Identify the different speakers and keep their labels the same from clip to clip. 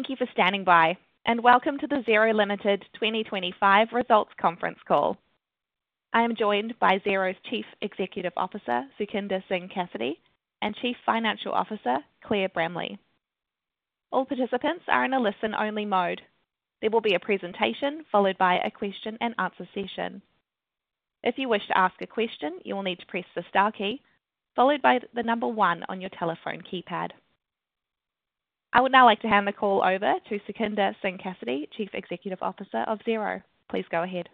Speaker 1: Than you for standing by, and welcome to the Xero Limited 2025 results conference call. I am joined by Xero's Chief Executive Officer, Sukhinder Singh Cassidy, and Chief Financial Officer, Claire Bramley. All participants are in a listen-only mode. There will be a presentation followed by a question-and-answer session. If you wish to ask a question, you will need to press the star key followed by the number one on your telephone keypad. I would now like to hand the call over to Sukhinder Singh Cassidy, Chief Executive Officer of Xero. Please go ahead.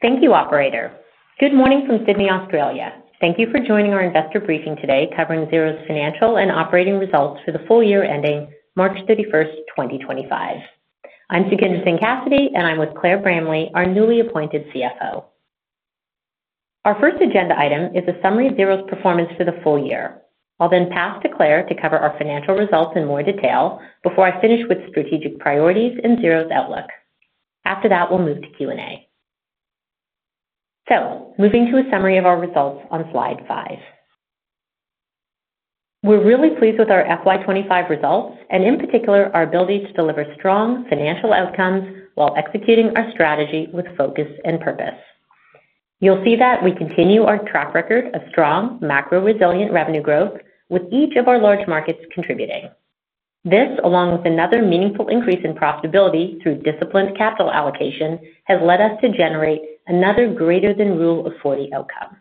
Speaker 2: Thank you, Operator. Good morning from Sydney, Australia. Thank you for joining our investor briefing today covering Xero's financial and operating results for the full year ending March 31st, 2025. I'm Sukhinder Singh Cassidy, and I'm with Claire Bramley, our newly appointed CFO. Our first agenda item is a summary of Xero's performance for the full year. I'll then pass to Claire to cover our financial results in more detail before I finish with strategic priorities and Xero's outlook. After that, we'll move to Q&A. Moving to a summary of our results on slide five. We're really pleased with our FY25 results, and in particular, our ability to deliver strong financial outcomes while executing our strategy with focus and purpose. You'll see that we continue our track record of strong, macro-resilient revenue growth, with each of our large markets contributing. This, along with another meaningful increase in profitability through disciplined capital allocation, has led us to generate another greater-than-rule of 40 outcome.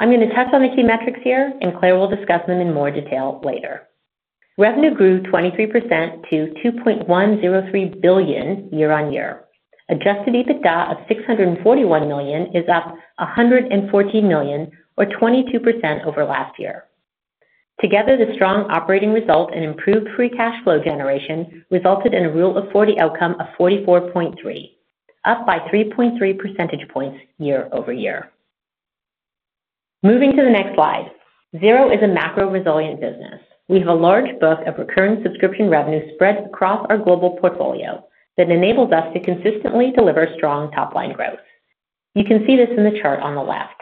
Speaker 2: I'm going to touch on the key metrics here, and Claire will discuss them in more detail later. Revenue grew 23% to 2.103 billion year-on-year. Adjusted EBITDA of 641 million is up 114 million, or 22% over last year. Together, the strong operating result and improved free cash flow generation resulted in a rule of 40 outcome of 44.3, up by 3.3 percentage points year-over-year. Moving to the next slide, Xero is a macro-resilient business. We have a large book of recurring subscription revenue spread across our global portfolio that enables us to consistently deliver strong top-line growth. You can see this in the chart on the left.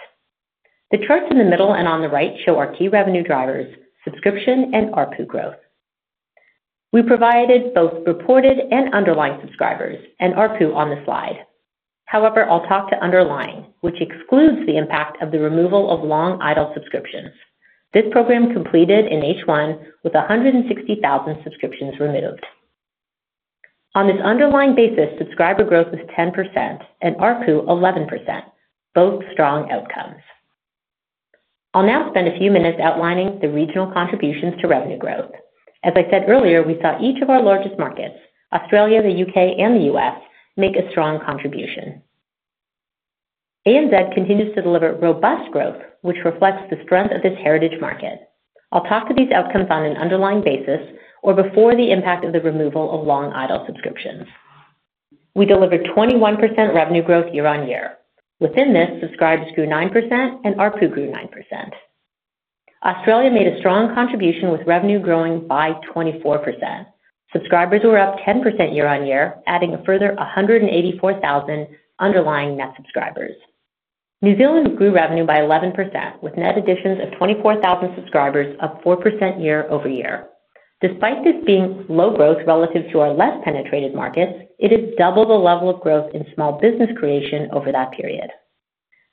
Speaker 2: The charts in the middle and on the right show our key revenue drivers: subscription and ARPU growth. We provided both reported and underlying subscribers, and ARPU on the slide. However, I'll talk to underlying, which excludes the impact of the removal of long idle subscriptions. This program completed in H1 with 160,000 subscriptions removed. On this underlying basis, subscriber growth was 10% and ARPU 11%, both strong outcomes. I'll now spend a few minutes outlining the regional contributions to revenue growth. As I said earlier, we saw each of our largest markets, Australia, the U.K., and the U.S., make a strong contribution. ANZ continues to deliver robust growth, which reflects the strength of this heritage market. I'll talk to these outcomes on an underlying basis or before the impact of the removal of long idle subscriptions. We delivered 21% revenue growth year-on-year. Within this, subscribers grew 9% and ARPU grew 9%. Australia made a strong contribution with revenue growing by 24%. Subscribers were up 10% year-on-year, adding a further 184,000 underlying net subscribers. New Zealand grew revenue by 11% with net additions of 24,000 subscribers, up 4% year-over-year. Despite this being low growth relative to our less penetrated markets, it is double the level of growth in small business creation over that period.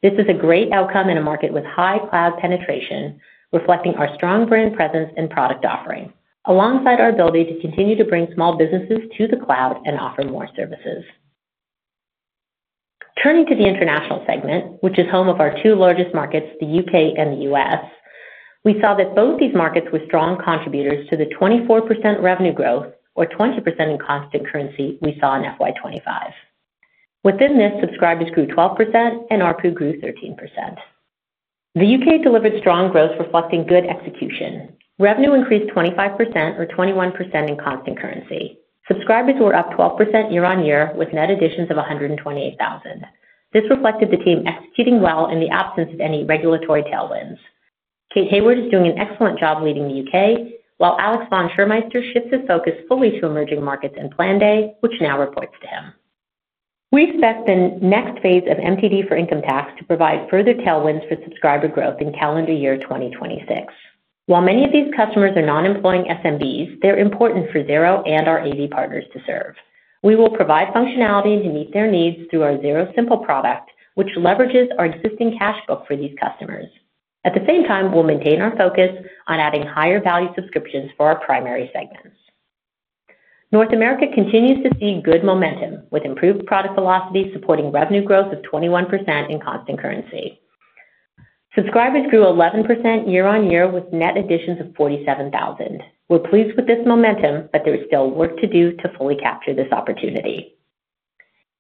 Speaker 2: This is a great outcome in a market with high cloud penetration, reflecting our strong brand presence and product offering, alongside our ability to continue to bring small businesses to the cloud and offer more services. Turning to the international segment, which is home of our two largest markets, the U.K. and the U.S., we saw that both these markets were strong contributors to the 24% revenue growth, or 20% in constant currency, we saw in fiscal year 2025. Within this, subscribers grew 12% and ARPU grew 13%. The U.K. delivered strong growth, reflecting good execution. Revenue increased 25%, or 21% in constant currency. Subscribers were up 12% year-on-year with net additions of 128,000. This reflected the team executing well in the absence of any regulatory tailwinds. Kate Hayward is doing an excellent job leading the U.K., while Alex von Schermeister shifts his focus fully to emerging markets and Plan Day, which now reports to him. We expect the next phase of MTD for income tax to provide further tailwinds for subscriber growth in calendar year 2026. While many of these customers are non-employing SMBs, they're important for Xero and our AV partners to serve. We will provide functionality to meet their needs through our Xero Simple product, which leverages our existing cash book for these customers. At the same time, we'll maintain our focus on adding higher-value subscriptions for our primary segments. North America continues to see good momentum, with improved product velocity supporting revenue growth of 21% in constant currency. Subscribers grew 11% year-on-year with net additions of 47,000. We're pleased with this momentum, but there is still work to do to fully capture this opportunity.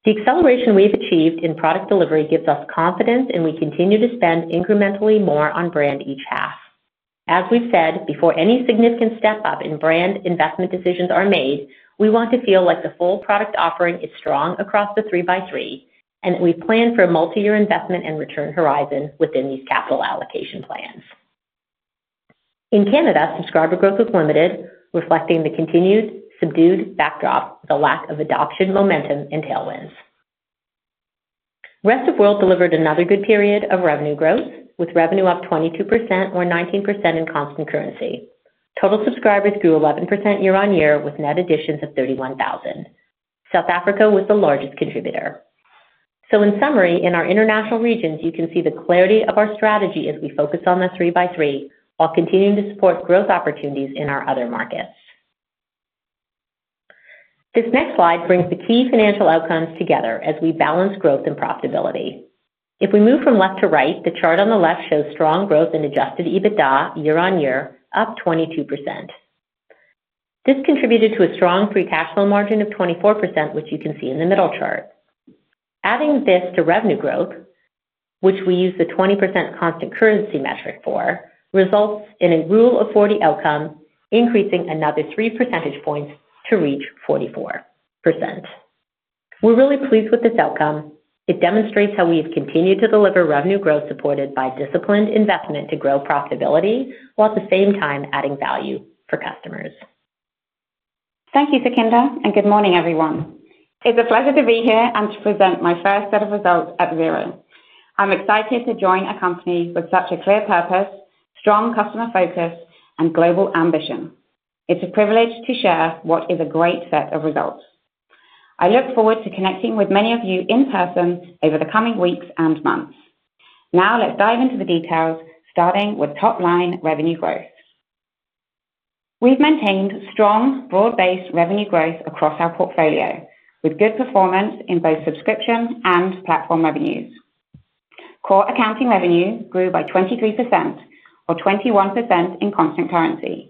Speaker 2: The acceleration we've achieved in product delivery gives us confidence, and we continue to spend incrementally more on brand each half. As we've said before, any significant step-up in brand investment decisions are made, we want to feel like the full product offering is strong across the 3x3, and we plan for a multi-year investment and return horizon within these capital allocation plans. In Canada, subscriber growth was limited, reflecting the continued subdued backdrop, the lack of adoption momentum, and tailwinds. Rest of world delivered another good period of revenue growth, with revenue up 22%, or 19% in constant currency. Total subscribers grew 11% year-on-year with net additions of 31,000. South Africa was the largest contributor. In summary, in our international regions, you can see the clarity of our strategy as we focus on the 3x3 while continuing to support growth opportunities in our other markets. This next slide brings the key financial outcomes together as we balance growth and profitability. If we move from left to right, the chart on the left shows strong growth in adjusted EBITDA year-on-year, up 22%. This contributed to a strong free cash flow margin of 24%, which you can see in the middle chart. Adding this to revenue growth, which we use the 20% constant currency metric for, results in a rule of 40 outcome, increasing another 3 percentage points to reach 44%. We're really pleased with this outcome. It demonstrates how we have continued to deliver revenue growth supported by disciplined investment to grow profitability while at the same time adding value for customers.
Speaker 1: Thank you, Sukhinder, and good morning, everyone. It's a pleasure to be here and to present my first set of results at Xero. I'm excited to join a company with such a clear purpose, strong customer focus, and global ambition. It's a privilege to share what is a great set of results. I look forward to connecting with many of you in person over the coming weeks and months. Now, let's dive into the details, starting with top-line revenue growth. We've maintained strong, broad-based revenue growth across our portfolio, with good performance in both subscription and platform revenues. Core accounting revenue grew by 23%, or 21% in constant currency.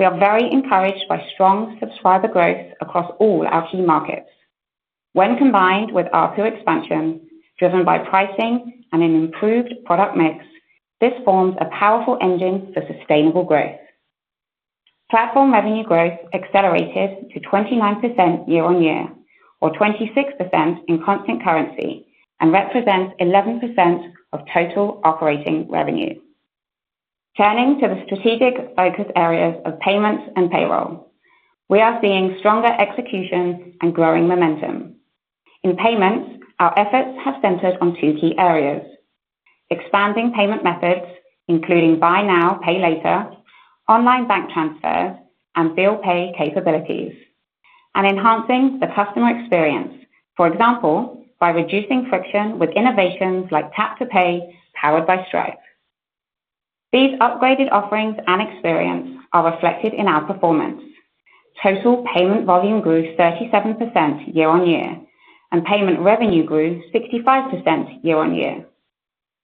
Speaker 1: We are very encouraged by strong subscriber growth across all our key markets. When combined with ARPU expansion driven by pricing and an improved product mix, this forms a powerful engine for sustainable growth. Platform revenue growth accelerated to 29% year-on-year, or 26% in constant currency, and represents 11% of total operating revenue. Turning to the strategic focus areas of payments and payroll, we are seeing stronger execution and growing momentum. In payments, our efforts have centered on two key areas: expanding payment methods, including buy now, pay later, online bank transfers, and bill pay capabilities, and enhancing the customer experience, for example, by reducing friction with innovations like tap-to-pay powered by Stripe. These upgraded offerings and experience are reflected in our performance. Total payment volume grew 37% year-on-year, and payment revenue grew 65% year-on-year.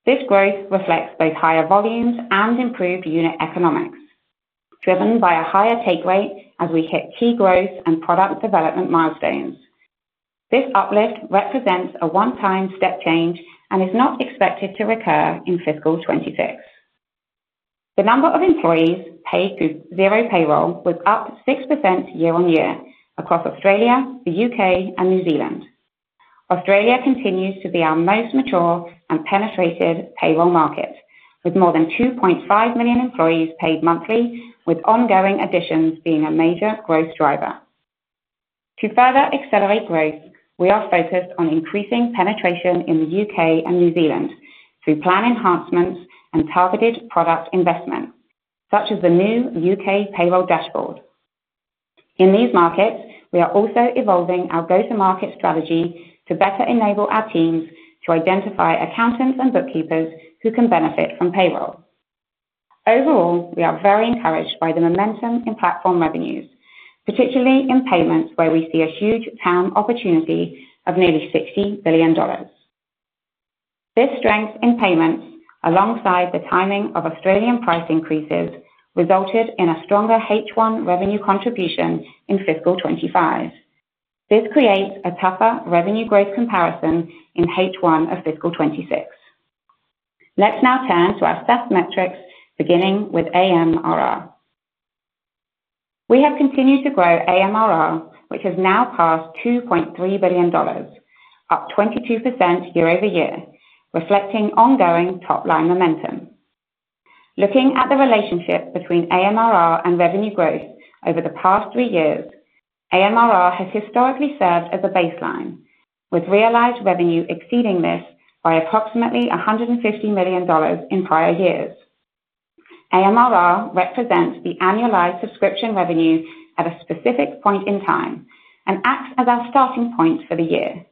Speaker 1: This growth reflects both higher volumes and improved unit economics, driven by a higher take rate as we hit key growth and product development milestones. This uplift represents a one-time step change and is not expected to recur in fiscal 2026. The number of employees paid through Xero Payroll was up 6% year-on-year across Australia, the U.K., and New Zealand. Australia continues to be our most mature and penetrated payroll market, with more than 2.5 million employees paid monthly, with ongoing additions being a major growth driver. To further accelerate growth, we are focused on increasing penetration in the U.K. and New Zealand through plan enhancements and targeted product investment, such as the new UK payroll dashboard. In these markets, we are also evolving our go-to-market strategy to better enable our teams to identify accountants and bookkeepers who can benefit from payroll. Overall, we are very encouraged by the momentum in platform revenues, particularly in payments, where we see a huge TAM opportunity of nearly $60 billion. This strength in payments, alongside the timing of Australian price increases, resulted in a stronger H1 revenue contribution in fiscal 2025. This creates a tougher revenue growth comparison in H1 of fiscal 2026. Let's now turn to our SEF metrics, beginning with AMRR. We have continued to grow AMRR, which has now passed $2.3 billion, up 22% year-over-year, reflecting ongoing top-line momentum. Looking at the relationship between AMRR and revenue growth over the past three years, AMRR has historically served as a baseline, with realized revenue exceeding this by approximately $150 million in prior years. AMRR represents the annualized subscription revenue at a specific point in time and acts as our starting point for the year.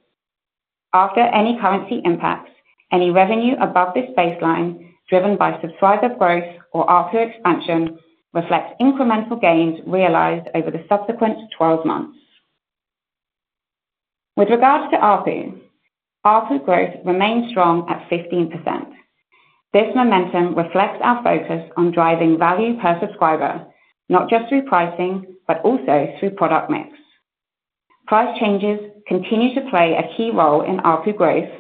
Speaker 1: After any currency impacts, any revenue above this baseline, driven by subscriber growth or ARPU expansion, reflects incremental gains realized over the subsequent 12 months. With regards to ARPU, ARPU growth remains strong at 15%. This momentum reflects our focus on driving value per subscriber, not just through pricing, but also through product mix. Price changes continue to play a key role in ARPU growth.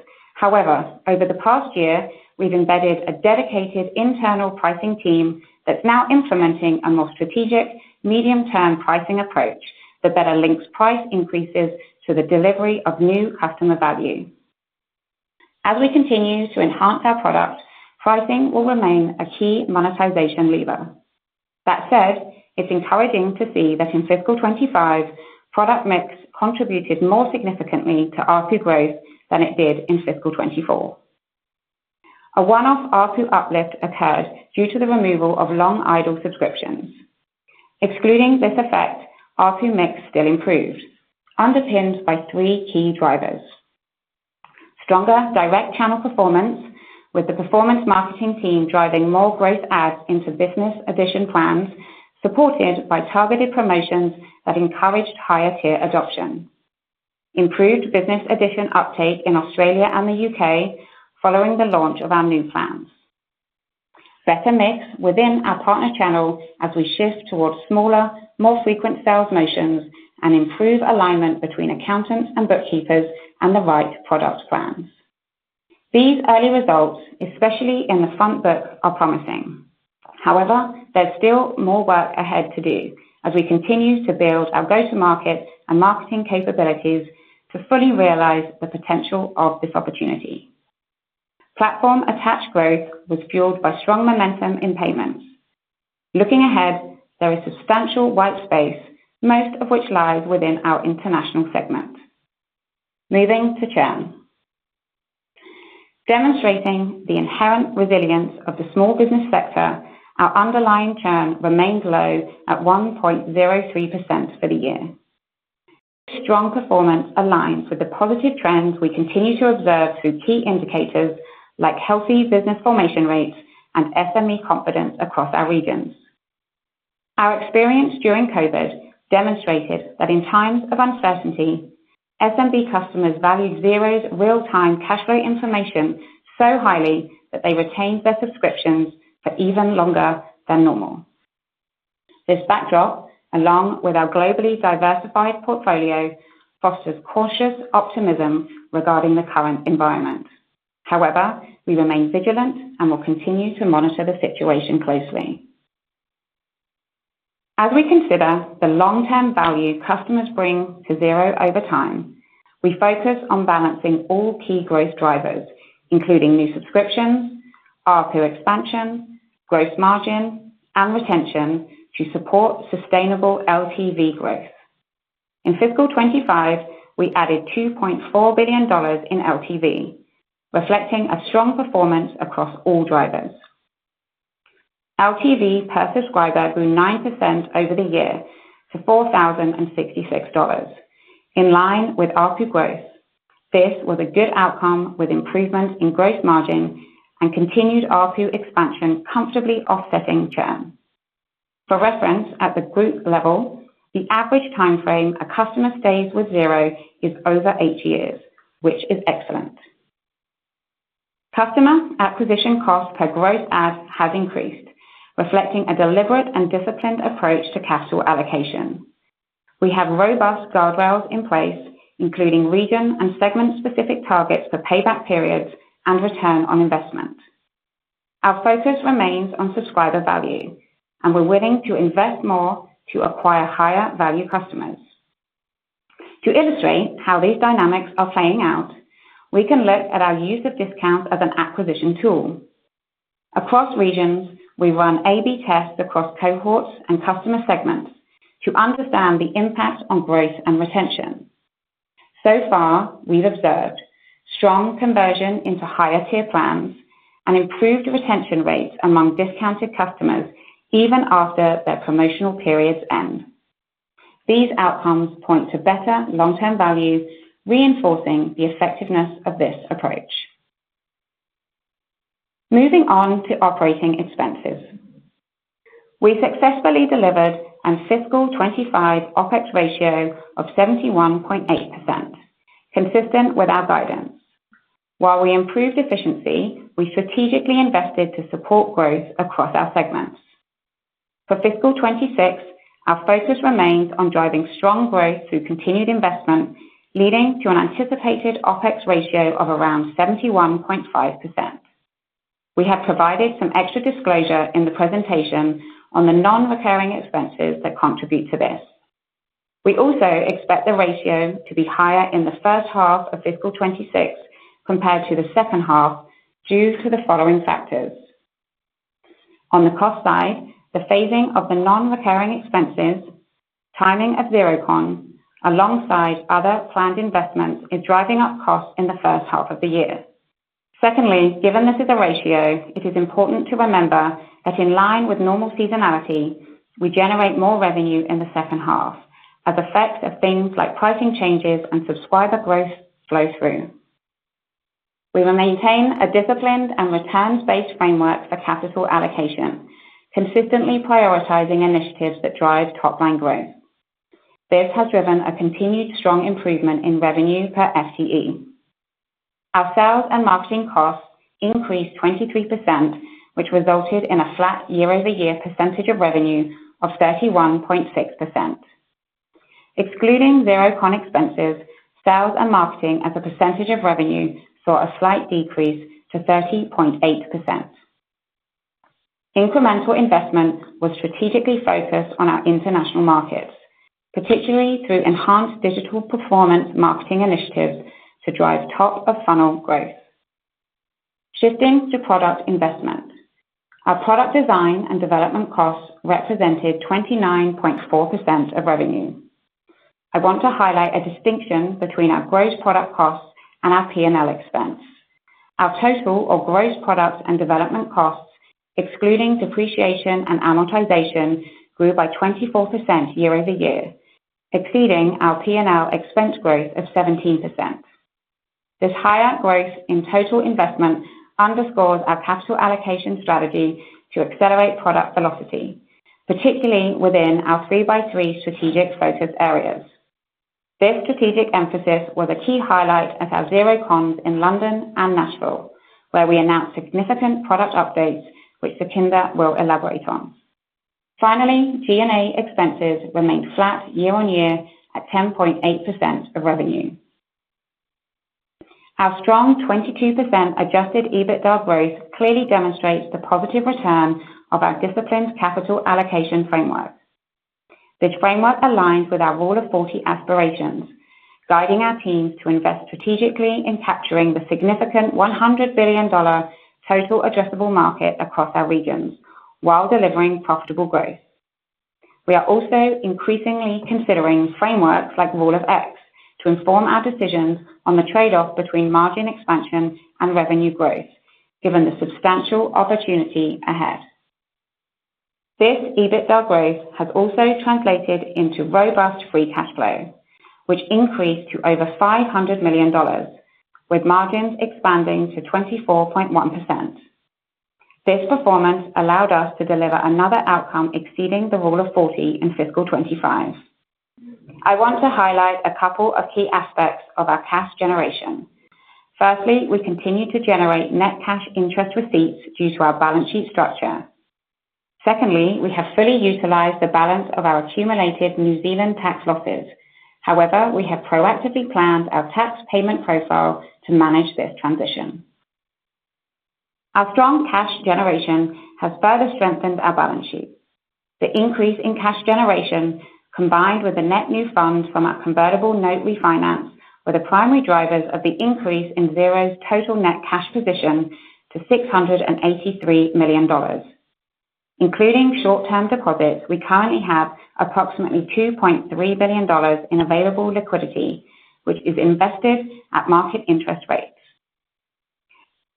Speaker 1: However, over the past year, we've embedded a dedicated internal pricing team that's now implementing a more strategic medium-term pricing approach that better links price increases to the delivery of new customer value. As we continue to enhance our product, pricing will remain a key monetization lever. That said, it's encouraging to see that in fiscal 2025, product mix contributed more significantly to ARPU growth than it did in fiscal 2024. A one-off ARPU uplift occurred due to the removal of long idle subscriptions. Excluding this effect, ARPU mix still improved, underpinned by three key drivers: stronger direct channel performance, with the performance marketing team driving more growth ads into business addition plans, supported by targeted promotions that encouraged higher-tier adoption; improved business addition uptake in Australia and the U.K. following the launch of our new plans; better mix within our partner channel as we shift towards smaller, more frequent sales motions; and improved alignment between accountants and bookkeepers and the right product plans. These early results, especially in the front book, are promising. However, there's still more work ahead to do as we continue to build our go-to-market and marketing capabilities to fully realize the potential of this opportunity. Platform attached growth was fueled by strong momentum in payments. Looking ahead, there is substantial white space, most of which lies within our international segment. Moving to churn. Demonstrating the inherent resilience of the small business sector, our underlying churn remains low at 1.03% for the year. This strong performance aligns with the positive trends we continue to observe through key indicators like healthy business formation rates and SME confidence across our regions. Our experience during COVID demonstrated that in times of uncertainty, SMB customers valued Xero's real-time cash flow information so highly that they retained their subscriptions for even longer than normal. This backdrop, along with our globally diversified portfolio, fosters cautious optimism regarding the current environment. However, we remain vigilant and will continue to monitor the situation closely. As we consider the long-term value customers bring to Xero over time, we focus on balancing all key growth drivers, including new subscriptions, ARPU expansion, gross margin, and retention to support sustainable LTV growth. In fiscal 2025, we added $2.4 billion in LTV, reflecting a strong performance across all drivers. LTV per subscriber grew 9% over the year to $4,066, in line with ARPU growth. This was a good outcome with improvements in gross margin and continued ARPU expansion comfortably offsetting churn. For reference, at the group level, the average time frame a customer stays with Xero is over eight years, which is excellent. Customer acquisition cost per gross ad has increased, reflecting a deliberate and disciplined approach to capital allocation. We have robust guardrails in place, including region and segment-specific targets for payback periods and return on investment. Our focus remains on subscriber value, and we're willing to invest more to acquire higher-value customers. To illustrate how these dynamics are playing out, we can look at our use of discounts as an acquisition tool. Across regions, we run A/B tests across cohorts and customer segments to understand the impact on growth and retention. So far, we've observed strong conversion into higher-tier plans and improved retention rates among discounted customers even after their promotional periods end. These outcomes point to better long-term value, reinforcing the effectiveness of this approach. Moving on to operating expenses. We successfully delivered a fiscal 2025 OPEX ratio of 71.8%, consistent with our guidance. While we improved efficiency, we strategically invested to support growth across our segments. For fiscal 2026, our focus remains on driving strong growth through continued investment, leading to an anticipated OPEX ratio of around 71.5%. We have provided some extra disclosure in the presentation on the non-recurring expenses that contribute to this. We also expect the ratio to be higher in the first half of fiscal 2026 compared to the second half due to the following factors. On the cost side, the phasing of the non-recurring expenses, timing of XeroCon, alongside other planned investments, is driving up costs in the first half of the year. Secondly, given this is a ratio, it is important to remember that in line with normal seasonality, we generate more revenue in the second half as effects of things like pricing changes and subscriber growth flow through. We will maintain a disciplined and returns-based framework for capital allocation, consistently prioritizing initiatives that drive top-line growth. This has driven a continued strong improvement in revenue per FTE. Our sales and marketing costs increased 23%, which resulted in a flat year-over-year percentage of revenue of 31.6%. Excluding XeroCon expenses, sales and marketing as a percentage of revenue saw a slight decrease to 30.8%. Incremental investment was strategically focused on our international markets, particularly through enhanced digital performance marketing initiatives to drive top-of-funnel growth. Shifting to product investment, our product design and development costs represented 29.4% of revenue. I want to highlight a distinction between our gross product costs and our P&L expense. Our total or gross product and development costs, excluding depreciation and amortization, grew by 24% year-over-year, exceeding our P&L expense growth of 17%. This higher growth in total investment underscores our capital allocation strategy to accelerate product velocity, particularly within our three-by-three strategic focus areas. This strategic emphasis was a key highlight at our XeroCons in London and Nashville, where we announced significant product updates, which Sukhinder will elaborate on. Finally, G&A expenses remained flat year-on-year at 10.8% of revenue. Our strong 22% adjusted EBITDA growth clearly demonstrates the positive return of our disciplined capital allocation framework. This framework aligns with our Rule of 40 aspirations, guiding our teams to invest strategically in capturing the significant $100 billion total addressable market across our regions while delivering profitable growth. We are also increasingly considering frameworks like Rule of X to inform our decisions on the trade-off between margin expansion and revenue growth, given the substantial opportunity ahead. This EBITDA growth has also translated into robust free cash flow, which increased to over $500 million, with margins expanding to 24.1%. This performance allowed us to deliver another outcome exceeding the Rule of 40 in fiscal 2025. I want to highlight a couple of key aspects of our cash generation. Firstly, we continue to generate net cash interest receipts due to our balance sheet structure. Secondly, we have fully utilized the balance of our accumulated New Zealand tax losses. However, we have proactively planned our tax payment profile to manage this transition. Our strong cash generation has further strengthened our balance sheet. The increase in cash generation, combined with the net new funds from our convertible note refinance, were the primary drivers of the increase in Xero's total net cash position to $683 million. Including short-term deposits, we currently have approximately $2.3 billion in available liquidity, which is invested at market interest rates.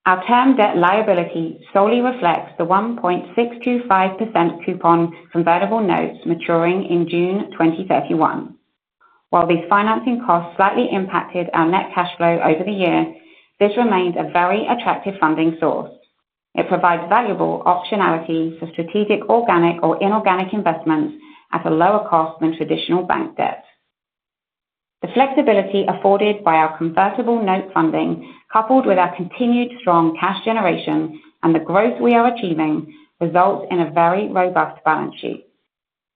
Speaker 1: Our term debt liability solely reflects the 1.625% coupon convertible notes maturing in June 2031. While these financing costs slightly impacted our net cash flow over the year, this remains a very attractive funding source. It provides valuable optionality for strategic organic or inorganic investments at a lower cost than traditional bank debt. The flexibility afforded by our convertible note funding, coupled with our continued strong cash generation and the growth we are achieving, results in a very robust balance sheet.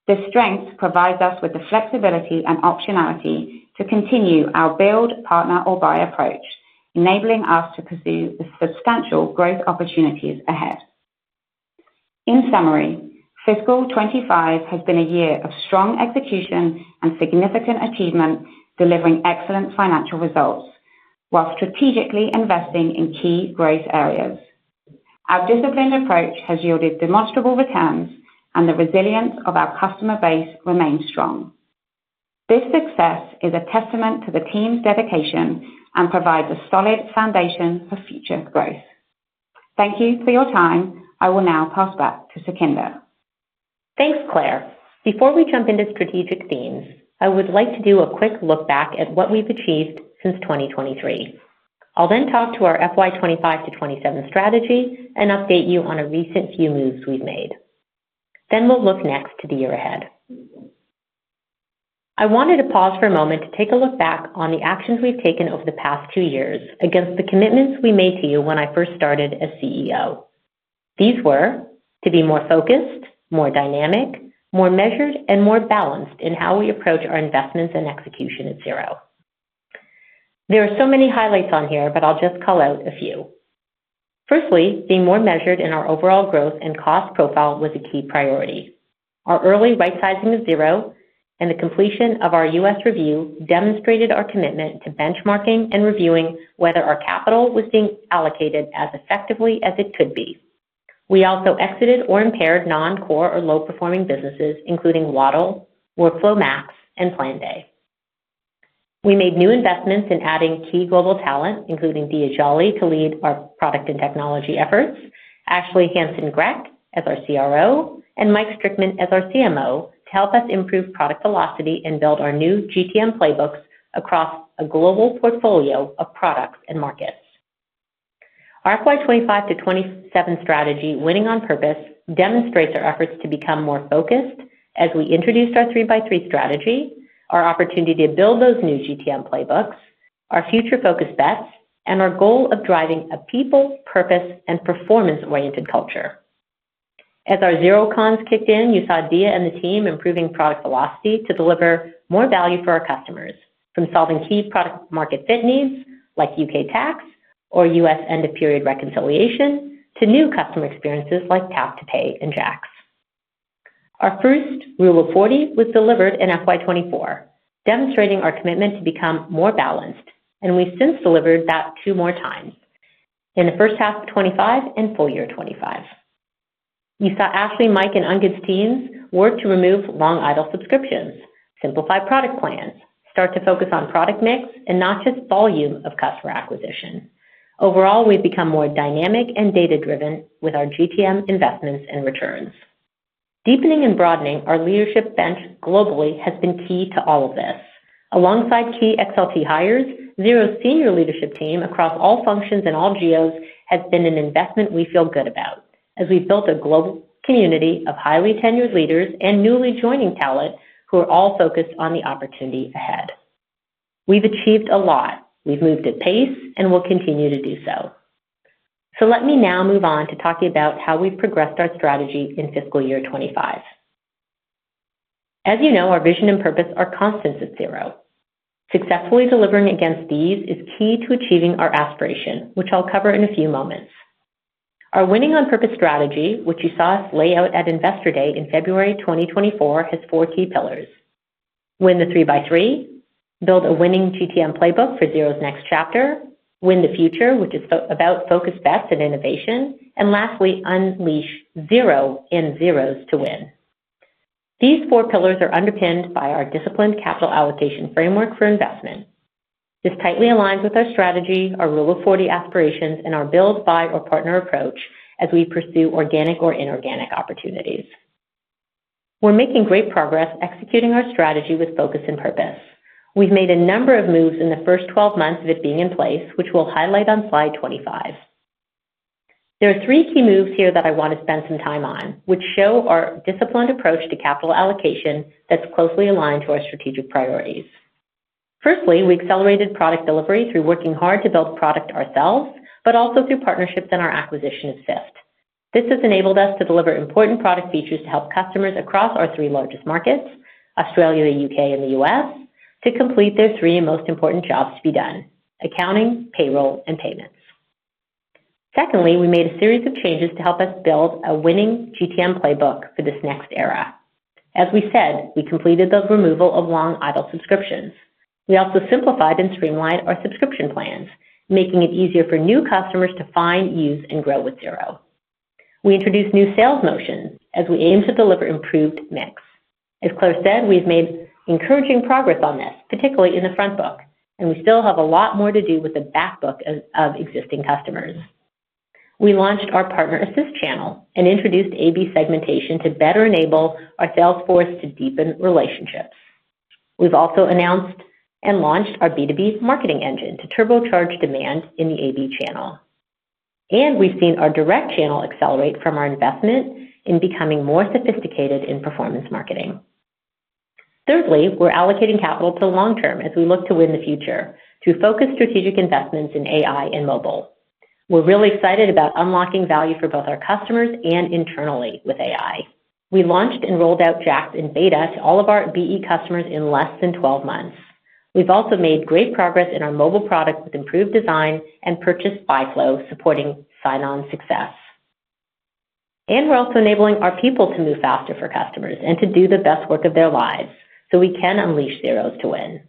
Speaker 1: This strength provides us with the flexibility and optionality to continue our build, partner, or buy approach, enabling us to pursue the substantial growth opportunities ahead. In summary, fiscal 2025 has been a year of strong execution and significant achievement, delivering excellent financial results while strategically investing in key growth areas. Our disciplined approach has yielded demonstrable returns, and the resilience of our customer base remains strong. This success is a testament to the team's dedication and provides a solid foundation for future growth. Thank you for your time. I will now pass back to Sukhinder.
Speaker 2: Thanks, Claire. Before we jump into strategic themes, I would like to do a quick look back at what we've achieved since 2023. I'll then talk to our FY 2025 to 2027 strategy and update you on a recent few moves we've made. Next, we'll look to the year ahead. I wanted to pause for a moment to take a look back on the actions we've taken over the past two years against the commitments we made to you when I first started as CEO. These were to be more focused, more dynamic, more measured, and more balanced in how we approach our investments and execution at Xero. There are so many highlights on here, but I'll just call out a few. Firstly, being more measured in our overall growth and cost profile was a key priority. Our early rightsizing of Xero and the completion of our US review demonstrated our commitment to benchmarking and reviewing whether our capital was being allocated as effectively as it could be. We also exited or impaired non-core or low-performing businesses, including Wattle, WorkflowMax, and Plan Day. We made new investments in adding key global talent, including Diya Jolly to lead our product and technology efforts, Ashley Grech as our CRO, and Mike Strickman as our CMO, to help us improve product velocity and build our new GTM playbooks across a global portfolio of products and markets. Our FY 2025 to 2027 strategy, winning on purpose, demonstrates our efforts to become more focused as we introduced our three-by-three strategy, our opportunity to build those new GTM playbooks, our future-focused bets, and our goal of driving a people, purpose, and performance-oriented culture. As our XeroCons kicked in, you saw Diya and the team improving product velocity to deliver more value for our customers, from solving key product-market fit needs like UK tax or US end-of-period reconciliation to new customer experiences like tap-to-pay and Jax. Our first Rule of 40 was delivered in fiscal year 2024, demonstrating our commitment to become more balanced, and we have since delivered that two more times in the first half of 2025 and full year 2025. You saw Ashley, Mike, and Angad's teams work to remove long idle subscriptions, simplify product plans, start to focus on product mix, and not just volume of customer acquisition. Overall, we have become more dynamic and data-driven with our go-to-market investments and returns. Deepening and broadening our leadership bench globally has been key to all of this. Alongside key XLT hires, Xero's senior leadership team across all functions and all GOs has been an investment we feel good about, as we've built a global community of highly tenured leaders and newly joining talent who are all focused on the opportunity ahead. We've achieved a lot. We've moved at pace and will continue to do so. Let me now move on to talking about how we've progressed our strategy in fiscal year 2025. As you know, our vision and purpose are constants at Xero. Successfully delivering against these is key to achieving our aspiration, which I'll cover in a few moments. Our winning on purpose strategy, which you saw us lay out at Investor Day in February 2024, has four key pillars: win the three-by-three, build a winning GTM playbook for Xero's next chapter, win the future, which is about focused bets and innovation, and lastly, unleash Xero and Xeros to win. These four pillars are underpinned by our disciplined capital allocation framework for investment. This tightly aligns with our strategy, our Rule of 40 aspirations, and our build, buy, or partner approach as we pursue organic or inorganic opportunities. We're making great progress executing our strategy with focus and purpose. We've made a number of moves in the first 12 months of it being in place, which we'll highlight on slide 25. There are three key moves here that I want to spend some time on, which show our disciplined approach to capital allocation that's closely aligned to our strategic priorities. Firstly, we accelerated product delivery through working hard to build product ourselves, but also through partnerships and our acquisition of SIFT. This has enabled us to deliver important product features to help customers across our three largest markets, Australia, the U.K., and the U.S., to complete their three most important jobs to be done: accounting, payroll, and payments. Secondly, we made a series of changes to help us build a winning GTM playbook for this next era. As we said, we completed the removal of long idle subscriptions. We also simplified and streamlined our subscription plans, making it easier for new customers to find, use, and grow with Xero. We introduced new sales motions as we aim to deliver improved mix. As Claire said, we've made encouraging progress on this, particularly in the front book, and we still have a lot more to do with the back book of existing customers. We launched our partner assist channel and introduced A/B segmentation to better enable our sales force to deepen relationships. We've also announced and launched our B2B marketing engine to turbocharge demand in the A/B channel. We've seen our direct channel accelerate from our investment in becoming more sophisticated in performance marketing. Thirdly, we're allocating capital to the long term as we look to win the future through focused strategic investments in AI and mobile. We're really excited about unlocking value for both our customers and internally with AI. We launched and rolled out Jax in Beta to all of our BE customers in less than 12 months. have also made great progress in our mobile product with improved design and purchased Buy Flow, supporting sign-on success. We are also enabling our people to move faster for customers and to do the best work of their lives so we can unleash Xero's to win.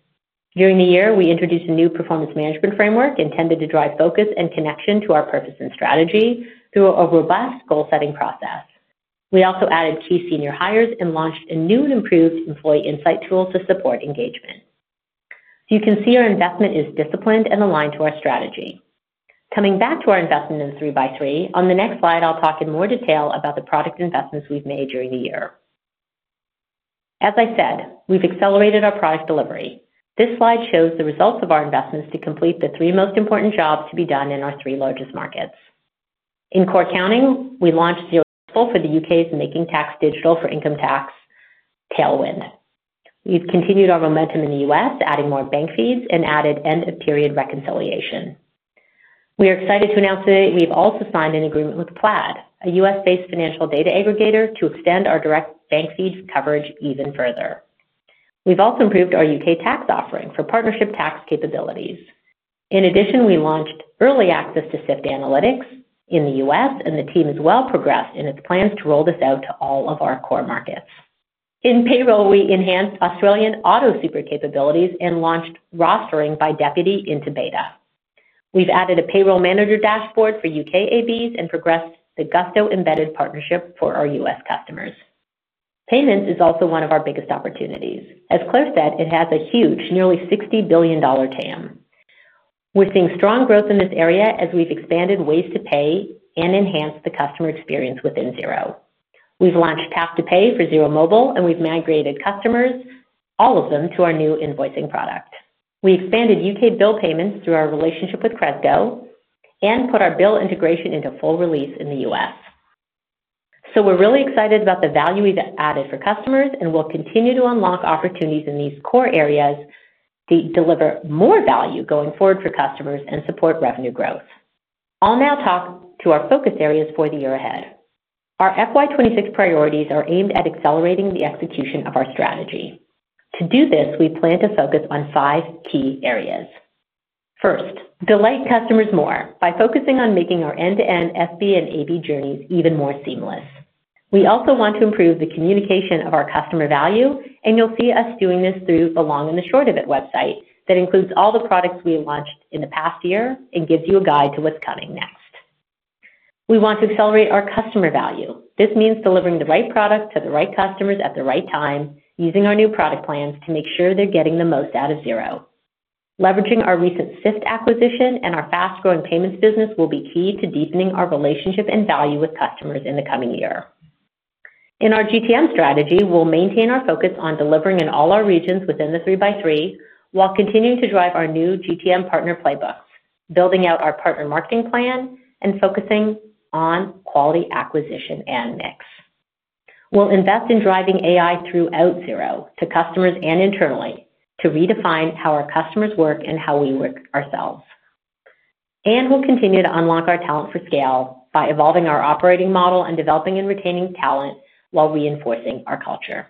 Speaker 2: During the year, we introduced a new performance management framework intended to drive focus and connection to our purpose and strategy through a robust goal-setting process. We also added key senior hires and launched a new and improved employee insight tool to support engagement. You can see our investment is disciplined and aligned to our strategy. Coming back to our investment in three-by-three, on the next slide, I will talk in more detail about the product investments we have made during the year. As I said, we have accelerated our product delivery. This slide shows the results of our investments to complete the three most important jobs to be done in our three largest markets. In core accounting, we launched Xero for the UK's Making Tax Digital for income tax tailwind. We've continued our momentum in the U.S., adding more bank feeds and added end-of-period reconciliation. We are excited to announce today we've also signed an agreement with Plaid, a US-based financial data aggregator, to extend our direct bank feed coverage even further. We've also improved our UK tax offering for partnership tax capabilities. In addition, we launched early access to SIFT Analytics in the U.S., and the team has well progressed in its plans to roll this out to all of our core markets. In payroll, we enhanced Australian auto super capabilities and launched rostering by Deputy into beta. We've added a payroll manager dashboard for UK ABs and progressed the Gusto embedded partnership for our US customers. Payments is also one of our biggest opportunities. As Claire said, it has a huge, nearly $60 billion TAM. We're seeing strong growth in this area as we've expanded ways to pay and enhanced the customer experience within Xero. We've launched tap-to-pay for Xero Mobile, and we've migrated customers, all of them, to our new invoicing product. We expanded UK bill payments through our relationship with Cresco and put our bill integration into full release in the U.S. We are really excited about the value we've added for customers, and we'll continue to unlock opportunities in these core areas to deliver more value going forward for customers and support revenue growth. I'll now talk to our focus areas for the year ahead. Our FY 2026 priorities are aimed at accelerating the execution of our strategy. To do this, we plan to focus on five key areas. First, delight customers more by focusing on making our end-to-end SB and AB journeys even more seamless. We also want to improve the communication of our customer value, and you'll see us doing this through the long and the short of it website that includes all the products we launched in the past year and gives you a guide to what's coming next. We want to accelerate our customer value. This means delivering the right product to the right customers at the right time using our new product plans to make sure they're getting the most out of Xero. Leveraging our recent SIFT acquisition and our fast-growing payments business will be key to deepening our relationship and value with customers in the coming year. In our GTM strategy, we'll maintain our focus on delivering in all our regions within the three-by-three while continuing to drive our new GTM partner playbooks, building out our partner marketing plan, and focusing on quality acquisition and mix. We will invest in driving AI throughout Xero to customers and internally to redefine how our customers work and how we work ourselves. We will continue to unlock our talent for scale by evolving our operating model and developing and retaining talent while reinforcing our culture.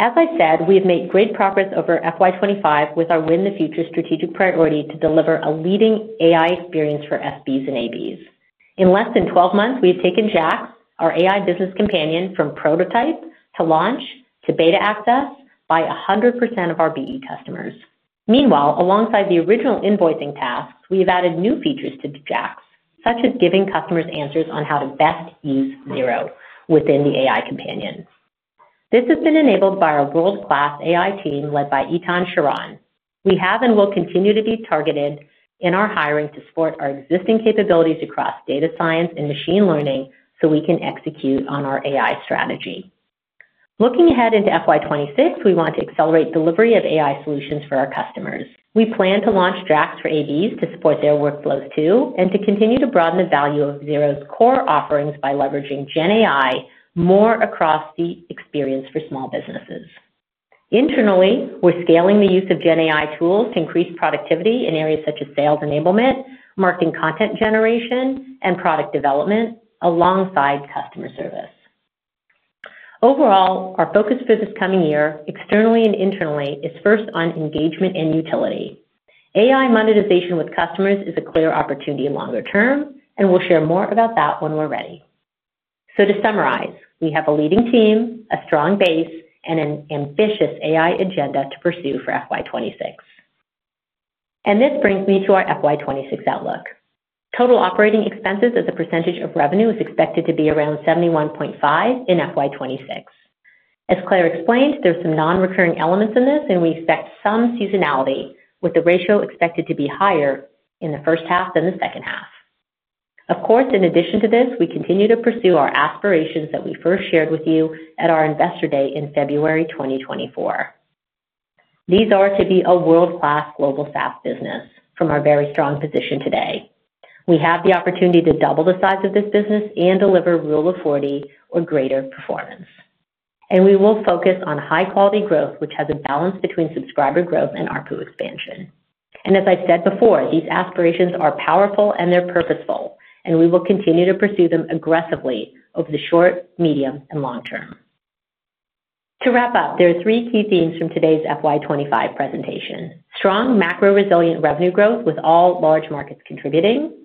Speaker 2: As I said, we have made great progress over FY 2025 with our win the future strategic priority to deliver a leading AI experience for SBs and ABs. In less than 12 months, we have taken Jax, our AI business companion, from prototype to launch to beta access by 100% of our BE customers. Meanwhile, alongside the original invoicing tasks, we've added new features to Jax, such as giving customers answers on how to best use Xero within the AI companion. This has been enabled by our world-class AI team led by Etan Shiron. We have and will continue to be targeted in our hiring to support our existing capabilities across data science and machine learning so we can execute on our AI strategy. Looking ahead into FY 2026, we want to accelerate delivery of AI solutions for our customers. We plan to launch Jax for ABs to support their workflows too and to continue to broaden the value of Xero's core offerings by leveraging GenAI more across the experience for small businesses. Internally, we're scaling the use of GenAI tools to increase productivity in areas such as sales enablement, marketing content generation, and product development alongside customer service. Overall, our focus for this coming year, externally and internally, is first on engagement and utility. AI monetization with customers is a clear opportunity longer term, and we'll share more about that when we're ready. To summarize, we have a leading team, a strong base, and an ambitious AI agenda to pursue for FY 2026. This brings me to our FY 2026 outlook. Total operating expenses as a percentage of revenue is expected to be around 71.5% in FY 2026. As Claire explained, there's some non-recurring elements in this, and we expect some seasonality with the ratio expected to be higher in the first half than the second half. Of course, in addition to this, we continue to pursue our aspirations that we first shared with you at our investor day in February 2024. These are to be a world-class global SaaS business from our very strong position today. We have the opportunity to double the size of this business and deliver Rule of 40 or greater performance. We will focus on high-quality growth, which has a balance between subscriber growth and ARPU expansion. As I said before, these aspirations are powerful and they're purposeful, and we will continue to pursue them aggressively over the short, medium, and long term. To wrap up, there are three key themes from today's FY 2025 presentation: strong macro-resilient revenue growth with all large markets contributing,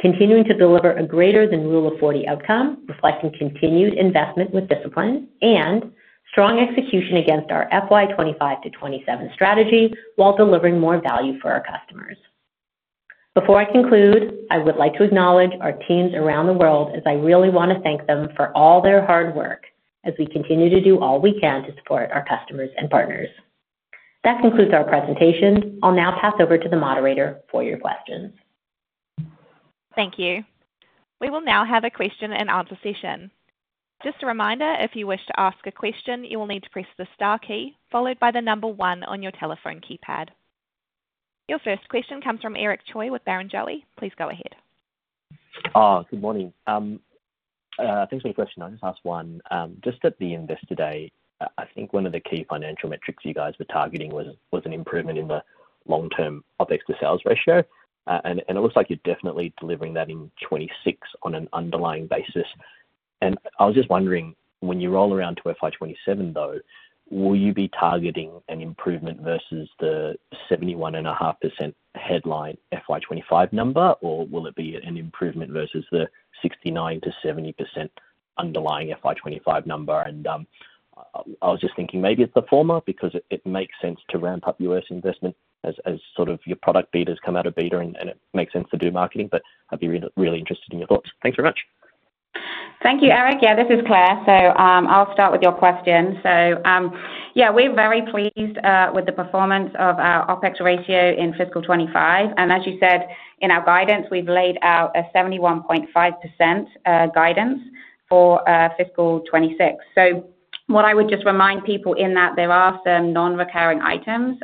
Speaker 2: continuing to deliver a greater than Rule of 40 outcome reflecting continued investment with discipline, and strong execution against our FY 2025- 2027 strategy while delivering more value for our customers. Before I conclude, I would like to acknowledge our teams around the world as I really want to thank them for all their hard work as we continue to do all we can to support our customers and partners. That concludes our presentation. I'll now pass over to the moderator for your questions.
Speaker 3: Thank you. We will now have a question and answer session. Just a reminder, if you wish to ask a question, you will need to press the star key followed by the number one on your telephone keypad. Your first question comes from Eric Choi with Barrenjoey. Please go ahead.
Speaker 4: Good morning. Thanks for your question. I'll just ask one. Just at the investor day, I think one of the key financial metrics you guys were targeting was an improvement in the long-term OPEX to sales ratio. It looks like you're definitely delivering that in 2026 on an underlying basis. I was just wondering, when you roll around to fiscal year 2027, though, will you be targeting an improvement versus the 71.5% headline fiscal year 2025 number, or will it be an improvement versus the 69%-70% underlying fiscal year 2025 number? I was just thinking maybe it's the former because it makes sense to ramp up US investment as your product betas come out of beta, and it makes sense to do marketing. I'd be really interested in your thoughts. Thanks very much.
Speaker 1: Thank you, Eric. Yeah, this is Claire. I'll start with your question. We're very pleased with the performance of our OpEx ratio in fiscal year 2025. As you said, in our guidance, we've laid out a 71.5% guidance for fiscal year 2026. What I would just remind people is that there are some non-recurring items.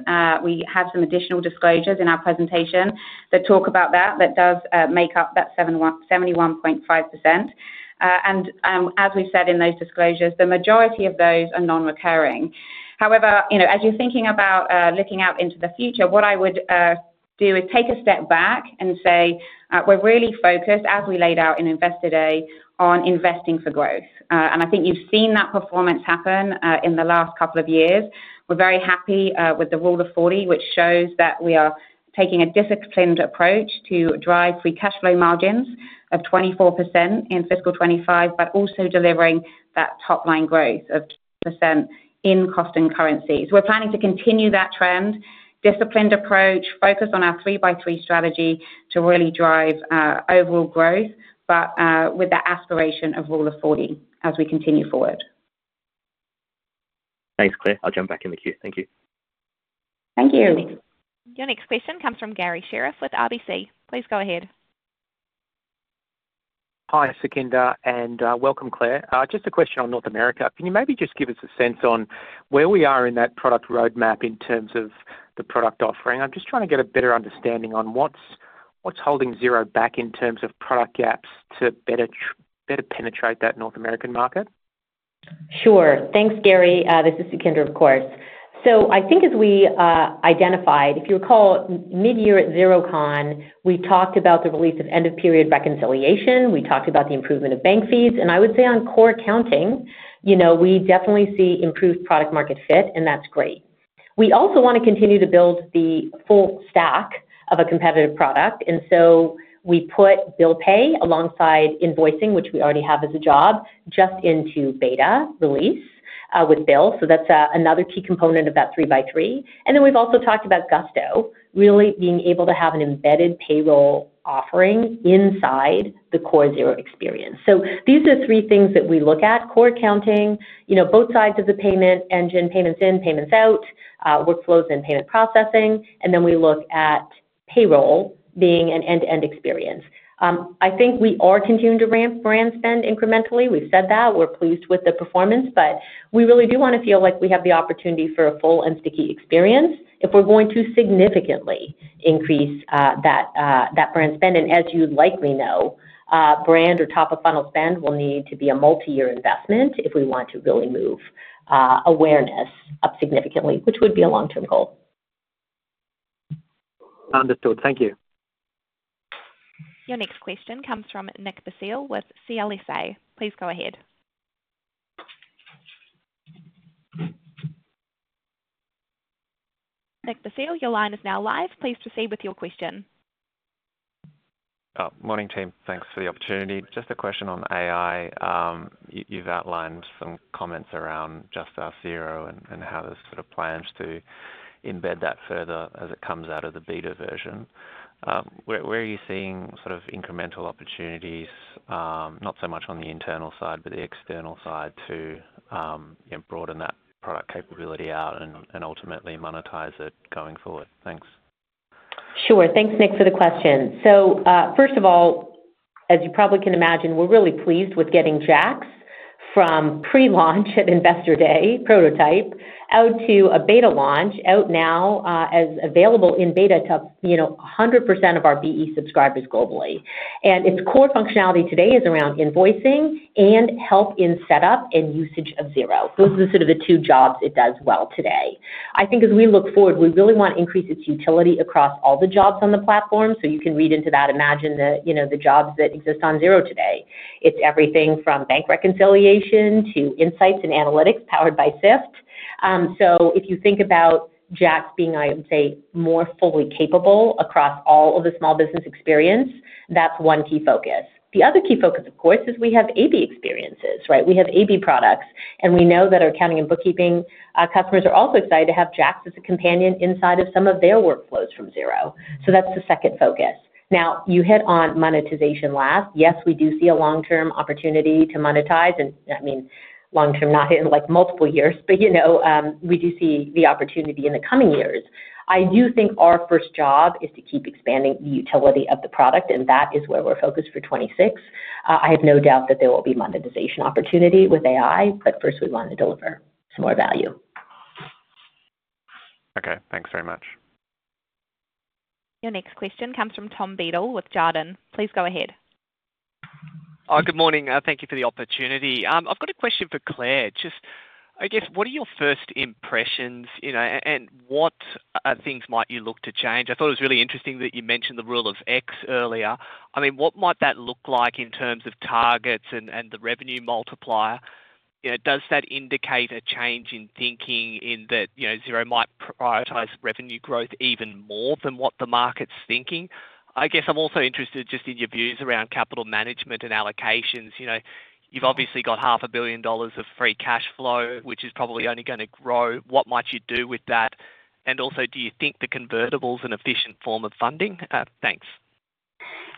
Speaker 1: We have some additional disclosures in our presentation that talk about that, that does make up that 71.5%. As we have said in those disclosures, the majority of those are non-recurring. However, as you are thinking about looking out into the future, what I would do is take a step back and say we are really focused, as we laid out in investor day, on investing for growth. I think you have seen that performance happen in the last couple of years. We are very happy with the Rule of 40, which shows that we are taking a disciplined approach to drive free cash flow margins of 24% in fiscal 2025, but also delivering that top-line growth of 2% in cost and currencies. We're planning to continue that trend, disciplined approach, focus on our three-by-three strategy to really drive overall growth, but with the aspiration of Rule of 40 as we continue forward.
Speaker 4: Thanks, Claire. I'll jump back in the queue. Thank you.
Speaker 1: Thank you. Your next question comes from Gary Sheriff with RBC. Please go ahead.
Speaker 5: Hi, Sukhinder, and welcome, Claire. Just a question on North America. Can you maybe just give us a sense on where we are in that product roadmap in terms of the product offering? I'm just trying to get a better understanding on what's holding Xero back in terms of product gaps to better penetrate that North American market.
Speaker 2: Sure. Thanks, Gary. This is Sukhinder, of course. So I think as we identified, if you recall, mid-year at XeroCon, we talked about the release of end-of-period reconciliation. We talked about the improvement of bank feeds. I would say on core accounting, we definitely see improved product market fit, and that's great. We also want to continue to build the full stack of a competitive product. We put bill pay alongside invoicing, which we already have as a job, just into beta release with bill. That's another key component of that three-by-three. We've also talked about Gusto, really being able to have an embedded payroll offering inside the core Xero experience. These are three things that we look at: core accounting, both sides of the payment engine, payments in, payments out, workflows and payment processing. We look at payroll being an end-to-end experience. I think we are continuing to ramp brand spend incrementally. We've said that. We're pleased with the performance, but we really do want to feel like we have the opportunity for a full and sticky experience if we're going to significantly increase that brand spend. As you likely know, brand or top-of-funnel spend will need to be a multi-year investment if we want to really move awareness up significantly, which would be a long-term goal.
Speaker 5: Understood. Thank you.
Speaker 3: Your next question comes from Nick Basile with CLSA. Please go ahead. Nick Basile, your line is now live. Please proceed with your question.
Speaker 6: Morning, team. Thanks for the opportunity. Just a question on AI. You've outlined some comments around just our Xero and how there's sort of plans to embed that further as it comes out of the beta version. Where are you seeing sort of incremental opportunities, not so much on the internal side, but the external side to broaden that product capability out and ultimately monetize it going forward? Thanks.
Speaker 2: Sure. Thanks, Nick, for the question. First of all, as you probably can imagine, we're really pleased with getting Jax from pre-launch at investor day, prototype, out to a beta launch, out now as available in beta to 100% of our BE subscribers globally. Its core functionality today is around invoicing and help in setup and usage of Xero. Those are sort of the two jobs it does well today. I think as we look forward, we really want to increase its utility across all the jobs on the platform. You can read into that, imagine the jobs that exist on Xero today. It's everything from bank reconciliation to insights and analytics powered by SIFT. If you think about Jax being, I would say, more fully capable across all of the small business experience, that's one key focus. The other key focus, of course, is we have AB experiences, right? We have AB products, and we know that our accounting and bookkeeping customers are also excited to have Jax as a companion inside of some of their workflows from Xero. That's the second focus. Now, you hit on monetization last. Yes, we do see a long-term opportunity to monetize. I mean, long-term, not in multiple years, but we do see the opportunity in the coming years. I do think our first job is to keep expanding the utility of the product, and that is where we're focused for 2026. I have no doubt that there will be monetization opportunity with AI, but first we want to deliver some more value.
Speaker 6: Okay.Thanks very much.
Speaker 3: Your next question comes from Tom Beadle with Jarden. Please go ahead.
Speaker 7: Good morning. Thank you for the opportunity. I've got a question for Claire. Just, I guess, what are your first impressions and what things might you look to change? I thought it was really interesting that you mentioned the Rule of X earlier. I mean, what might that look like in terms of targets and the revenue multiplier? Does that indicate a change in thinking in that Xero might prioritize revenue growth even more than what the market's thinking? I guess I'm also interested just in your views around capital management and allocations. You've obviously got $500,000 of free cash flow, which is probably only going to grow. What might you do with that? Also, do you think the convertible is an efficient form of funding? Thanks.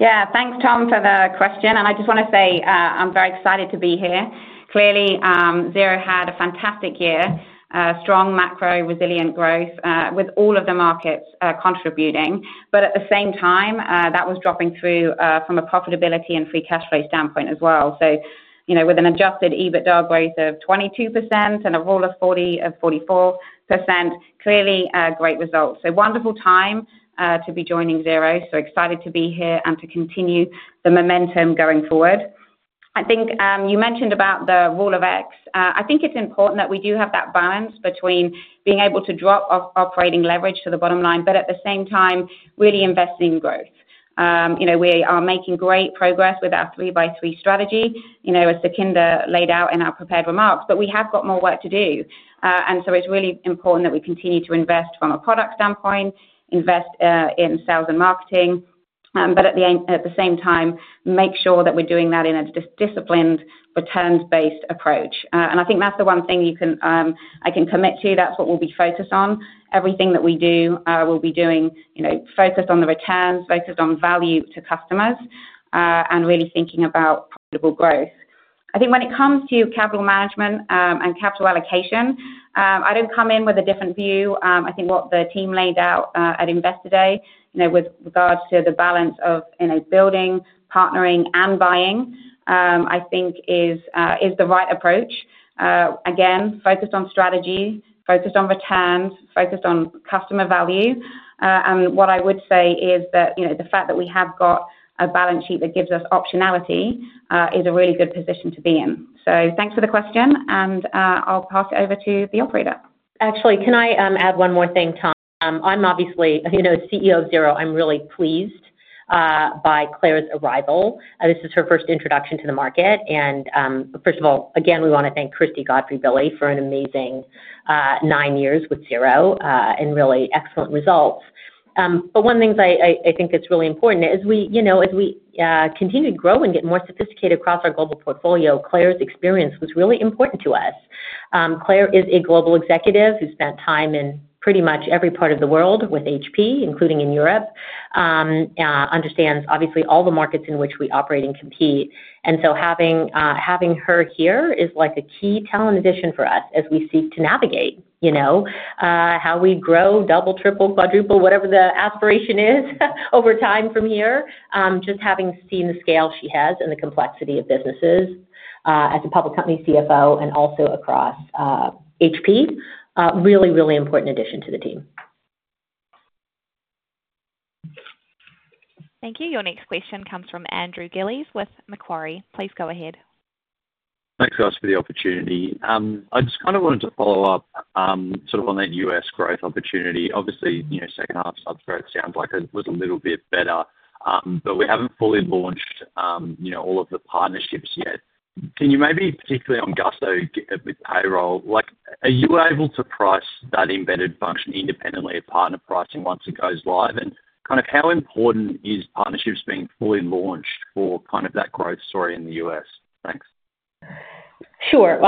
Speaker 1: Yeah.Thanks, Tom, for the question. I just want to say I'm very excited to be here. Clearly, Xero had a fantastic year, strong macro-resilient growth with all of the markets contributing. At the same time, that was dropping through from a profitability and free cash flow standpoint as well. With an adjusted EBITDA growth of 22% and a Rule of 40 of 44%, clearly great results. Wonderful time to be joining Xero. Excited to be here and to continue the momentum going forward. I think you mentioned about the Rule of X. I think it's important that we do have that balance between being able to drop operating leverage to the bottom line, but at the same time, really investing in growth. We are making great progress with our three-by-three strategy, as Sukhinder laid out in our prepared remarks, but we have got more work to do. It is really important that we continue to invest from a product standpoint, invest in sales and marketing, but at the same time, make sure that we are doing that in a disciplined, returns-based approach. I think that is the one thing I can commit to. That is what we will be focused on. Everything that we do, we will be doing focused on the returns, focused on value to customers, and really thinking about profitable growth. I think when it comes to capital management and capital allocation, I do not come in with a different view. I think what the team laid out at investor day with regards to the balance of building, partnering, and buying, I think is the right approach. Again, focused on strategy, focused on returns, focused on customer value. What I would say is that the fact that we have got a balance sheet that gives us optionality is a really good position to be in. Thanks for the question, and I'll pass it over to the operator.
Speaker 2: Actually, can I add one more thing, Tom? I'm obviously CEO of Xero. I'm really pleased by Claire's arrival. This is her first introduction to the market. First of all, again, we want to thank Kristy Godfrey-Billy for an amazing nine years with Xero and really excellent results. One of the things I think that's really important is as we continue to grow and get more sophisticated across our global portfolio, Claire's experience was really important to us. Claire is a global executive who spent time in pretty much every part of the world with HP, including in Europe, understands obviously all the markets in which we operate and compete. Having her here is like a key talent addition for us as we seek to navigate how we grow, double, triple, quadruple, whatever the aspiration is over time from here. Just having seen the scale she has and the complexity of businesses as a public company CFO and also across HP, really, really important addition to the team.
Speaker 3: Thank you. Your next question comes from Andrew Gillies with Macquarie. Please go ahead.
Speaker 8: Thanks for the opportunity. I just kind of wanted to follow up sort of on that US growth opportunity. Obviously, second-half substrate sounds like it was a little bit better, but we have not fully launched all of the partnerships yet. Can you maybe particularly on Gusto with payroll, are you able to price that embedded function independently of partner pricing once it goes live? And kind of how important is partnerships being fully launched for kind of that growth story in the U.S.? Thanks.
Speaker 2: Sure.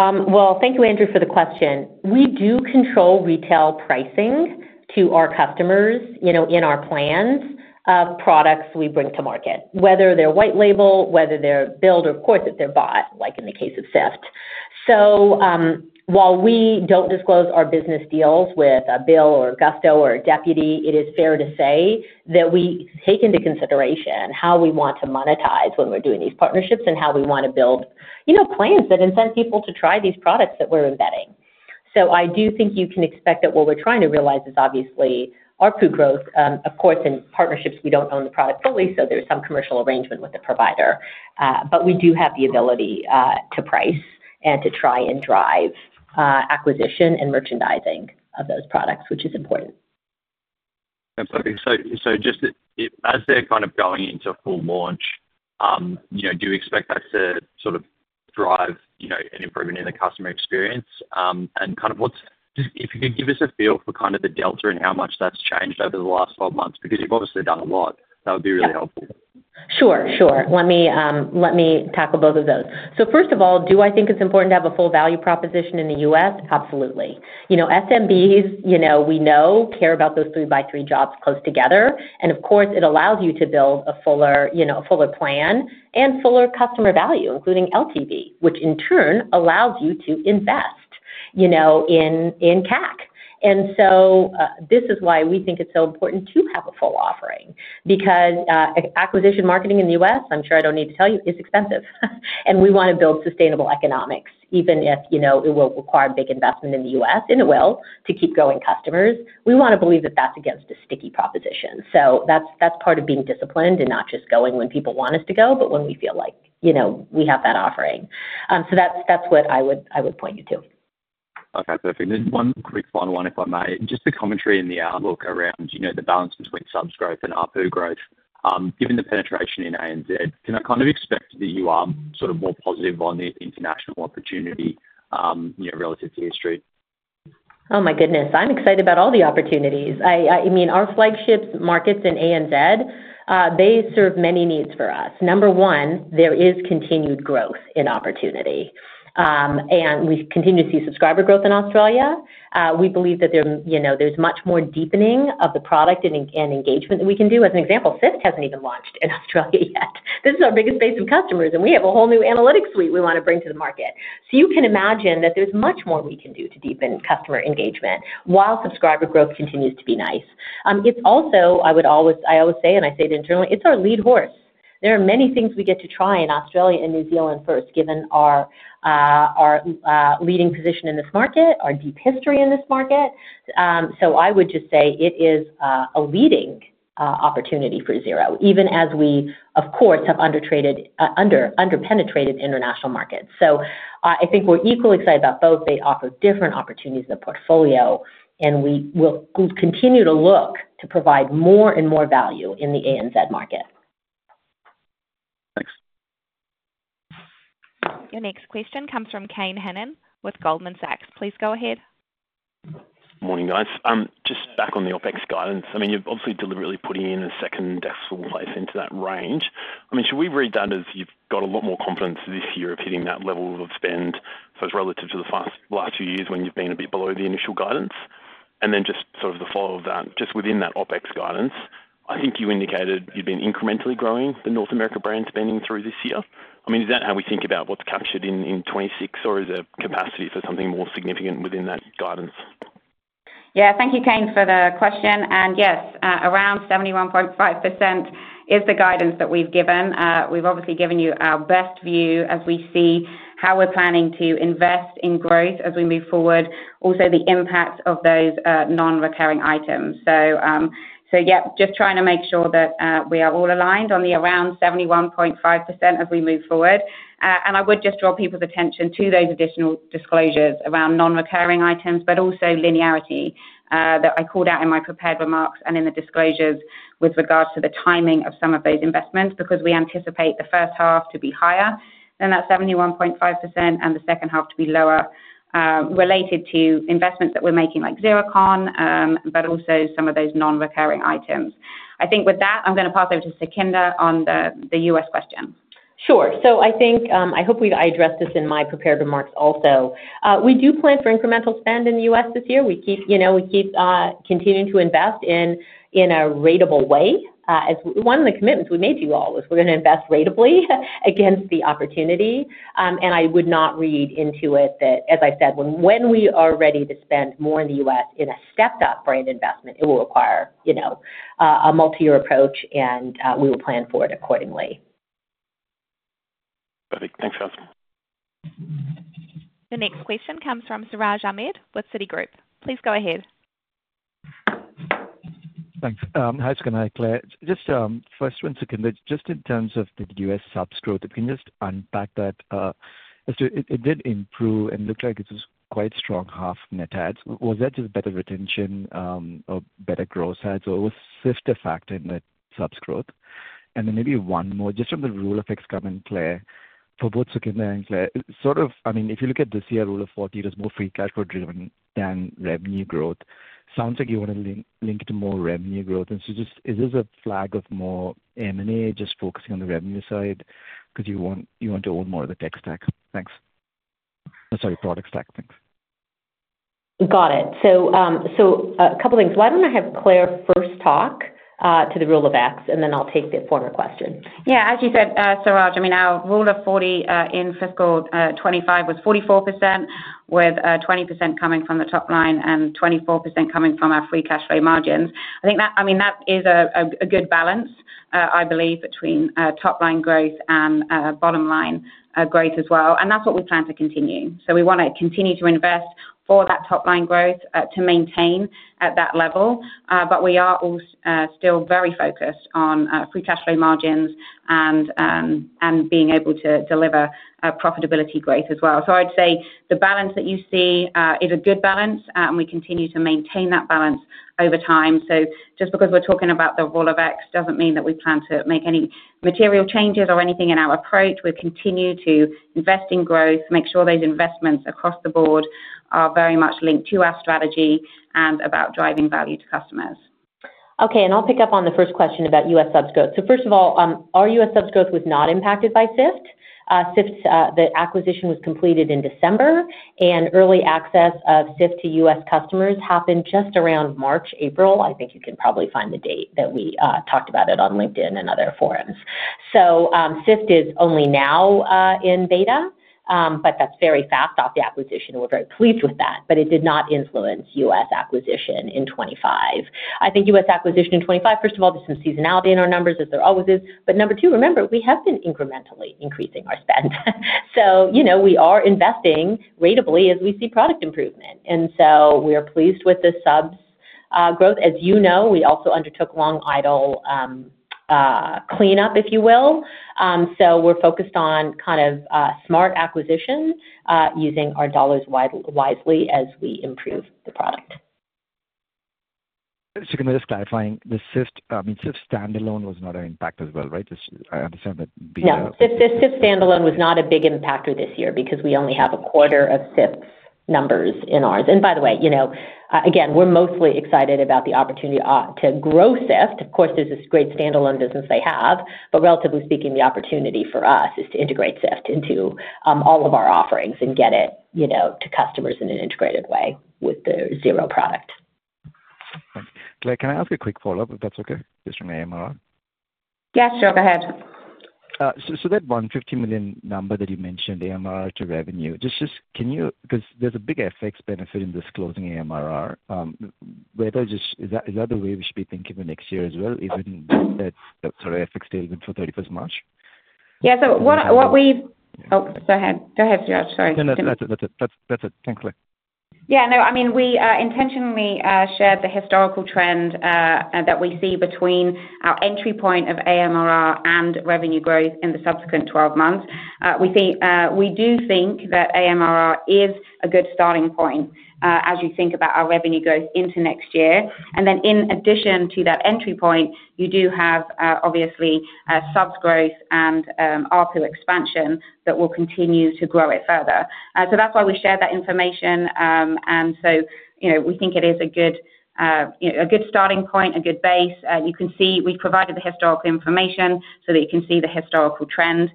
Speaker 2: Thank you, Andrew, for the question. We do control retail pricing to our customers in our plans of products we bring to market, whether they're white label, whether they're billed, or of course, if they're bought, like in the case of SIFT. While we don't disclose our business deals with a bill or a Gusto or a Deputy, it is fair to say that we take into consideration how we want to monetize when we're doing these partnerships and how we want to build plans that incent people to try these products that we're embedding. I do think you can expect that what we're trying to realize is obviously our ARPU growth. Of course, in partnerships, we don't own the product fully, so there's some commercial arrangement with the provider. We do have the ability to price and to try and drive acquisition and merchandising of those products, which is important.
Speaker 8: Just as they're kind of going into full launch, do you expect that to sort of drive an improvement in the customer experience? If you could give us a feel for the delta and how much that's changed over the last 12 months, because you've obviously done a lot, that would be really helpful.
Speaker 2: Sure, sure. Let me tackle both of those. First of all, do I think it's important to have a full value proposition in the U.S.? Absolutely. SMBs, we know, care about those three-by-three jobs close together. Of course, it allows you to build a fuller plan and fuller customer value, including LTV, which in turn allows you to invest in CAC. This is why we think it's so important to have a full offering, because acquisition marketing in the U.S., I'm sure I don't need to tell you, is expensive. We want to build sustainable economics, even if it will require big investment in the U.S., and it will, to keep growing customers. We want to believe that that's against a sticky proposition. That's part of being disciplined and not just going when people want us to go, but when we feel like we have that offering. That's what I would point you to.
Speaker 8: Okay. Perfect. One quick final one, if I may. Just the commentary in the outlook around the balance between subscriber and ARPU growth, given the penetration in ANZ, can I kind of expect that you are sort of more positive on the international opportunity relative to history?
Speaker 2: Oh my goodness. I'm excited about all the opportunities. I mean, our flagship markets in ANZ, they serve many needs for us. Number one, there is continued growth in opportunity. I mean, we continue to see subscriber growth in Australia. We believe that there's much more deepening of the product and engagement that we can do. As an example, SIFT hasn't even launched in Australia yet. This is our biggest base of customers, and we have a whole new analytics suite we want to bring to the market. You can imagine that there's much more we can do to deepen customer engagement while subscriber growth continues to be nice. It's also, I would always say, and I say it internally, it's our lead horse. There are many things we get to try in Australia and New Zealand first, given our leading position in this market, our deep history in this market. I would just say it is a leading opportunity for Xero, even as we, of course, have underpenetrated international markets. I think we're equally excited about both. They offer different opportunities in the portfolio, and we will continue to look to provide more and more value in the ANZ market. Thanks.
Speaker 3: Your next question comes from Kane Hennen with Goldman Sachs. Please go ahead.
Speaker 9: Morning, guys. Just back on the OPEX guidance. I mean, you've obviously deliberately put in a second decimal place into that range. I mean, should we read that as you've got a lot more confidence this year of hitting that level of spend, so it's relative to the last few years when you've been a bit below the initial guidance? And then just sort of the follow-up of that, just within that OPEX guidance, I think you indicated you've been incrementally growing the North America brand spending through this year. I mean, is that how we think about what's captured in 2026, or is there capacity for something more significant within that guidance?
Speaker 1: Yeah. Thank you, Kane, for the question. Yes, around 71.5% is the guidance that we've given. We've obviously given you our best view as we see how we're planning to invest in growth as we move forward, also the impact of those non-recurring items. Yeah, just trying to make sure that we are all aligned on the around 71.5% as we move forward. I would just draw people's attention to those additional disclosures around non-recurring items, but also linearity that I called out in my prepared remarks and in the disclosures with regards to the timing of some of those investments, because we anticipate the first half to be higher than that 71.5% and the second half to be lower related to investments that we are making like Xerocon, but also some of those non-recurring items. I think with that, I am going to pass over to Sukhinder on the US question.
Speaker 2: Sure. I think I hope we have addressed this in my prepared remarks also. We do plan for incremental spend in the US this year. We keep continuing to invest in a ratable way. One of the commitments we made to you all is we're going to invest ratably against the opportunity. I would not read into it that, as I said, when we are ready to spend more in the US in a stepped-up brand investment, it will require a multi-year approach, and we will plan for it accordingly. Perfect.
Speaker 9: Thanks, Sukhinder.
Speaker 3: The next question comes from Siraj Ahmed with Citigroup. Please go ahead.
Speaker 10: Thanks. Hi, Sukhinder. Claire, just first, Sukhinder, just in terms of the US subs growth, if you can just unpack that. It did improve and looked like it was quite strong half net adds. Was that just better retention or better growth adds or was SIFT a factor in the subs growth? And then maybe one more, just from the Rule of X comment, Claire, for both Sukhinder and Claire, sort of, I mean, if you look at this year, Rule of 40, there's more free cash flow driven than revenue growth. Sounds like you want to link it to more revenue growth. Is this a flag of more M&A just focusing on the revenue side because you want to own more of the tech stack? Thanks. Sorry, product stack. Thanks.
Speaker 2: Got it. A couple of things. Why don't I have Claire first talk to the Rule of X, and then I'll take the former question.
Speaker 1: Yeah. As you said, Siraj, I mean, our Rule of 40 in fiscal 2025 was 44%, with 20% coming from the top line and 24% coming from our free cash flow margins. I mean, that is a good balance, I believe, between top line growth and bottom line growth as well. That is what we plan to continue. We want to continue to invest for that top line growth to maintain at that level. We are still very focused on free cash flow margins and being able to deliver profitability growth as well. I would say the balance that you see is a good balance, and we continue to maintain that balance over time. Just because we are talking about the Rule of X does not mean that we plan to make any material changes or anything in our approach. We continue to invest in growth, make sure those investments across the board are very much linked to our strategy and about driving value to customers.
Speaker 2: Okay. I will pick up on the first question about US subs growth. First of all, our U.S. subs growth was not impacted by SIFT. The acquisition was completed in December, and early access of SIFT to U.S. customers happened just around March, April. I think you can probably find the date that we talked about it on LinkedIn and other forums. SIFT is only now in beta, but that's very fast off the acquisition, and we're very pleased with that. It did not influence U.S. acquisition in 2025. I think U.S. acquisition in 2025, first of all, there's some seasonality in our numbers, as there always is. Number two, remember, we have been incrementally increasing our spend. We are investing ratably as we see product improvement. We're pleased with the subs growth. As you know, we also undertook long idle cleanup, if you will. We're focused on kind of smart acquisition using our dollars wisely as we improve the product.
Speaker 10: Sukhinder, just clarifying, the SIFT standalone was not an impact as well, right? I understand that. Yeah.
Speaker 2: SIFT standalone was not a big impactor this year because we only have a quarter of SIFT numbers in ours. By the way, again, we're mostly excited about the opportunity to grow SIFT. Of course, there's this great standalone business they have, but relatively speaking, the opportunity for us is to integrate SIFT into all of our offerings and get it to customers in an integrated way with the Xero product.
Speaker 10: Claire, can I ask a quick follow-up if that's okay? Just from AMRR.
Speaker 1: Yes, sure. Go ahead.
Speaker 10: That $150 million number that you mentioned, AMRR to revenue, just because there's a big FX benefit in disclosing AMRR, is that the way we should be thinking for next year as well, even that sort of FX statement for 31st March?
Speaker 1: Yeah. What we—oh, go ahead. Go ahead, Siraj. Sorry.
Speaker 10: No, that's it. Thanks, Claire.
Speaker 1: Yeah. No, I mean, we intentionally shared the historical trend that we see between our entry point of AMRR and revenue growth in the subsequent 12 months. We do think that AMRR is a good starting point as you think about our revenue growth into next year. In addition to that entry point, you do have, obviously, subs growth and ARPU expansion that will continue to grow it further. That's why we shared that information. We think it is a good starting point, a good base. You can see we've provided the historical information so that you can see the historical trend.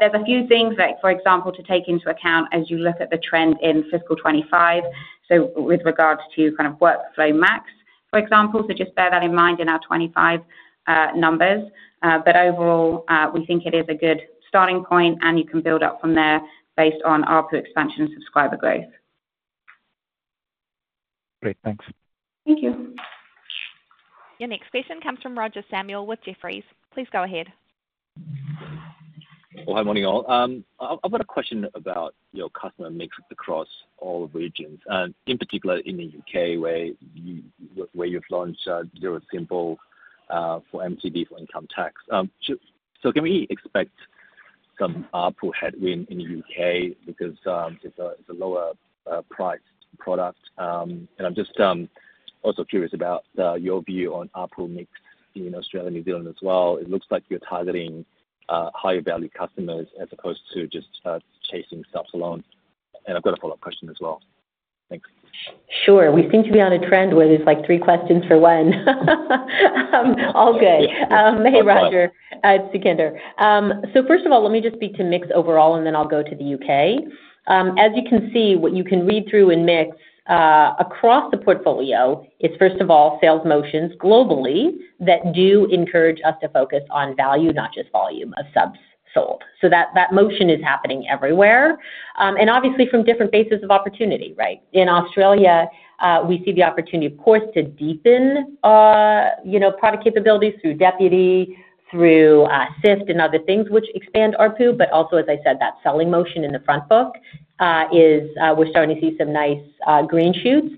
Speaker 1: There are a few things, for example, to take into account as you look at the trend in fiscal 2025, with regards to kind of WorkflowMax, for example. Just bear that in mind in our 2025 numbers. Overall, we think it is a good starting point, and you can build up from there based on our ARPU expansion and subscriber growth.
Speaker 10: Great. Thanks.
Speaker 1: Thank you.
Speaker 3: Your next question comes from Roger Samuel with Jefferies. Please go ahead.
Speaker 11: Hi, morning all. I've got a question about your customer mix across all regions, in particular in the U.K., where you've launched Xero Simple for Making Tax Digital for income tax. Can we expect some ARPU headwind in the U.K. because it is a lower-priced product? I am just also curious about your view on ARPU mix in Australia and New Zealand as well. It looks like you are targeting higher-value customers as opposed to just chasing subs alone. I have a follow-up question as well. Thanks.
Speaker 2: Sure. We seem to be on a trend where there are like three questions for one. All good. Hey, Roger. It is Sukhinder. First of all, let me just speak to mix overall, and then I will go to the U.K. As you can see, what you can read through in mix across the portfolio is, first of all, sales motions globally that do encourage us to focus on value, not just volume of subs sold. That motion is happening everywhere. Obviously, from different bases of opportunity, right? In Australia, we see the opportunity, of course, to deepen product capabilities through Deputy, through SIFT and other things, which expand our pool. Also, as I said, that selling motion in the front book is we're starting to see some nice green shoots.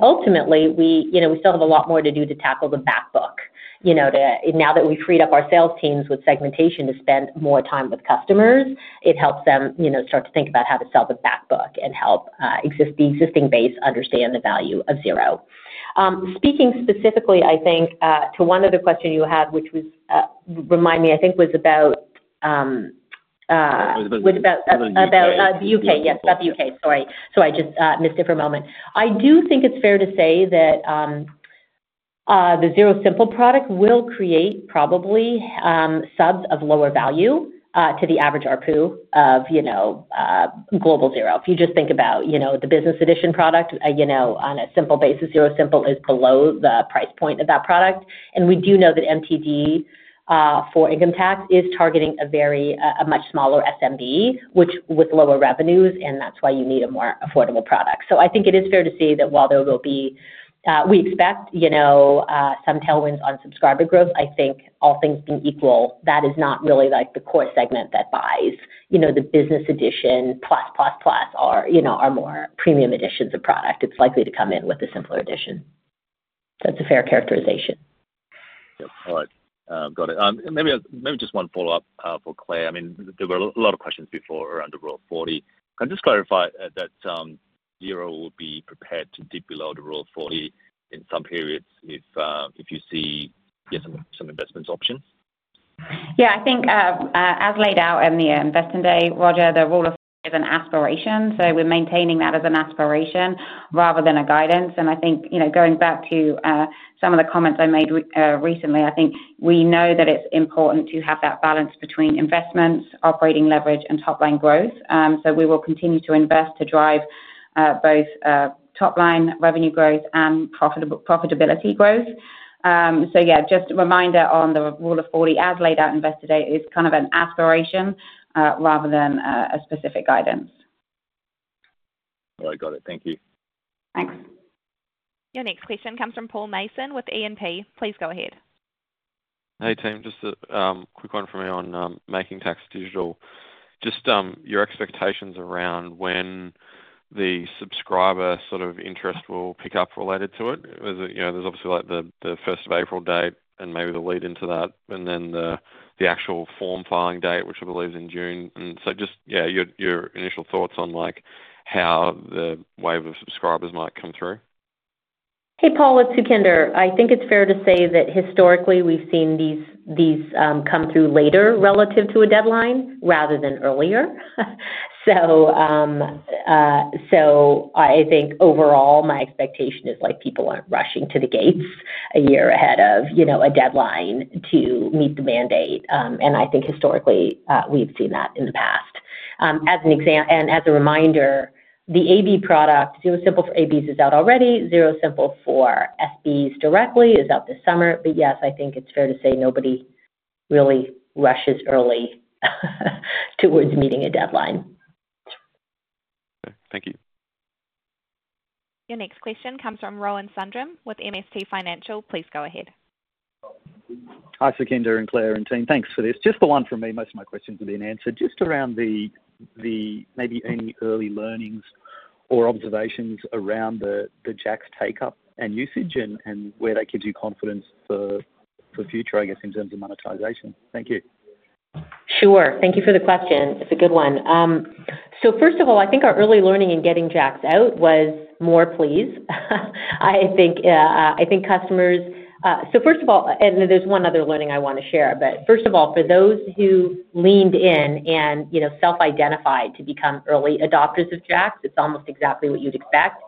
Speaker 2: Ultimately, we still have a lot more to do to tackle the back book. Now that we've freed up our sales teams with segmentation to spend more time with customers, it helps them start to think about how to sell the back book and help the existing base understand the value of Xero. Speaking specifically, I think, to one of the questions you had, which was remind me, I think was about.
Speaker 11: It was about the U.K.
Speaker 2: About the U.K. Yes, about the U.K. Sorry. Sorry, I just missed it for a moment. I do think it's fair to say that the Xero Simple product will create probably subs of lower value to the average ARPU of global Xero. If you just think about the business edition product, on a simple basis, Xero Simple is below the price point of that product. We do know that MTD for income tax is targeting a much smaller SMB with lower revenues, and that's why you need a more affordable product. I think it is fair to say that while there will be—we expect some tailwinds on subscriber growth, I think all things being equal, that is not really the core segment that buys. The business edition plus, plus, plus are more premium editions of product. It's likely to come in with the simpler edition. It's a fair characterization.
Speaker 11: Got it. Maybe just one follow-up for Claire. I mean, there were a lot of questions before around the Rule of 40. Can I just clarify that Xero will be prepared to dip below the Rule of 40 in some periods if you see some investment options?
Speaker 1: Yeah. I think, as laid out in the investment day, Roger, the Rule of 40 is an aspiration. We are maintaining that as an aspiration rather than a guidance. I think going back to some of the comments I made recently, I think we know that it is important to have that balance between investments, operating leverage, and top-line growth. We will continue to invest to drive both top-line revenue growth and profitability growth. Yeah, just a reminder on the Rule of 40, as laid out in investment day, is kind of an aspiration rather than a specific guidance.
Speaker 11: All right. Got it. Thank you.
Speaker 1: Thanks.
Speaker 3: Your next question comes from Paul Mason with E&P. Please go ahead.
Speaker 12: Hey, team. Just a quick one from me on Making Tax Digital. Just your expectations around when the subscriber sort of interest will pick up related to it. There's obviously the 1st of April date and maybe the lead into that, and then the actual form filing date, which I believe is in June. And so just, yeah, your initial thoughts on how the wave of subscribers might come through?
Speaker 2: Hey, Paul, it's Sukhinder. I think it's fair to say that historically, we've seen these come through later relative to a deadline rather than earlier. I think overall, my expectation is people aren't rushing to the gates a year ahead of a deadline to meet the mandate. I think historically, we've seen that in the past. As a reminder, the AB product, Xero Simple for ABs, is out already. Xero Simple for SBs directly is out this summer. I think it's fair to say nobody really rushes early towards meeting a deadline.
Speaker 12: Thank you.
Speaker 3: Your next question comes from Rohan Sundrum with MST Financial. Please go ahead.
Speaker 13: Hi, Sukhinder and Claire and team. Thanks for this. Just the one for me. Most of my questions are being answered. Just around maybe any early learnings or observations around the Jax take-up and usage and where that gives you confidence for the future, I guess, in terms of monetization? Thank you.
Speaker 2: Sure. Thank you for the question. It's a good one. First of all, I think our early learning in getting Jax out was more pleased. I think customers—first of all, and there's one other learning I want to share. First of all, for those who leaned in and self-identified to become early adopters of Jax, it's almost exactly what you'd expect.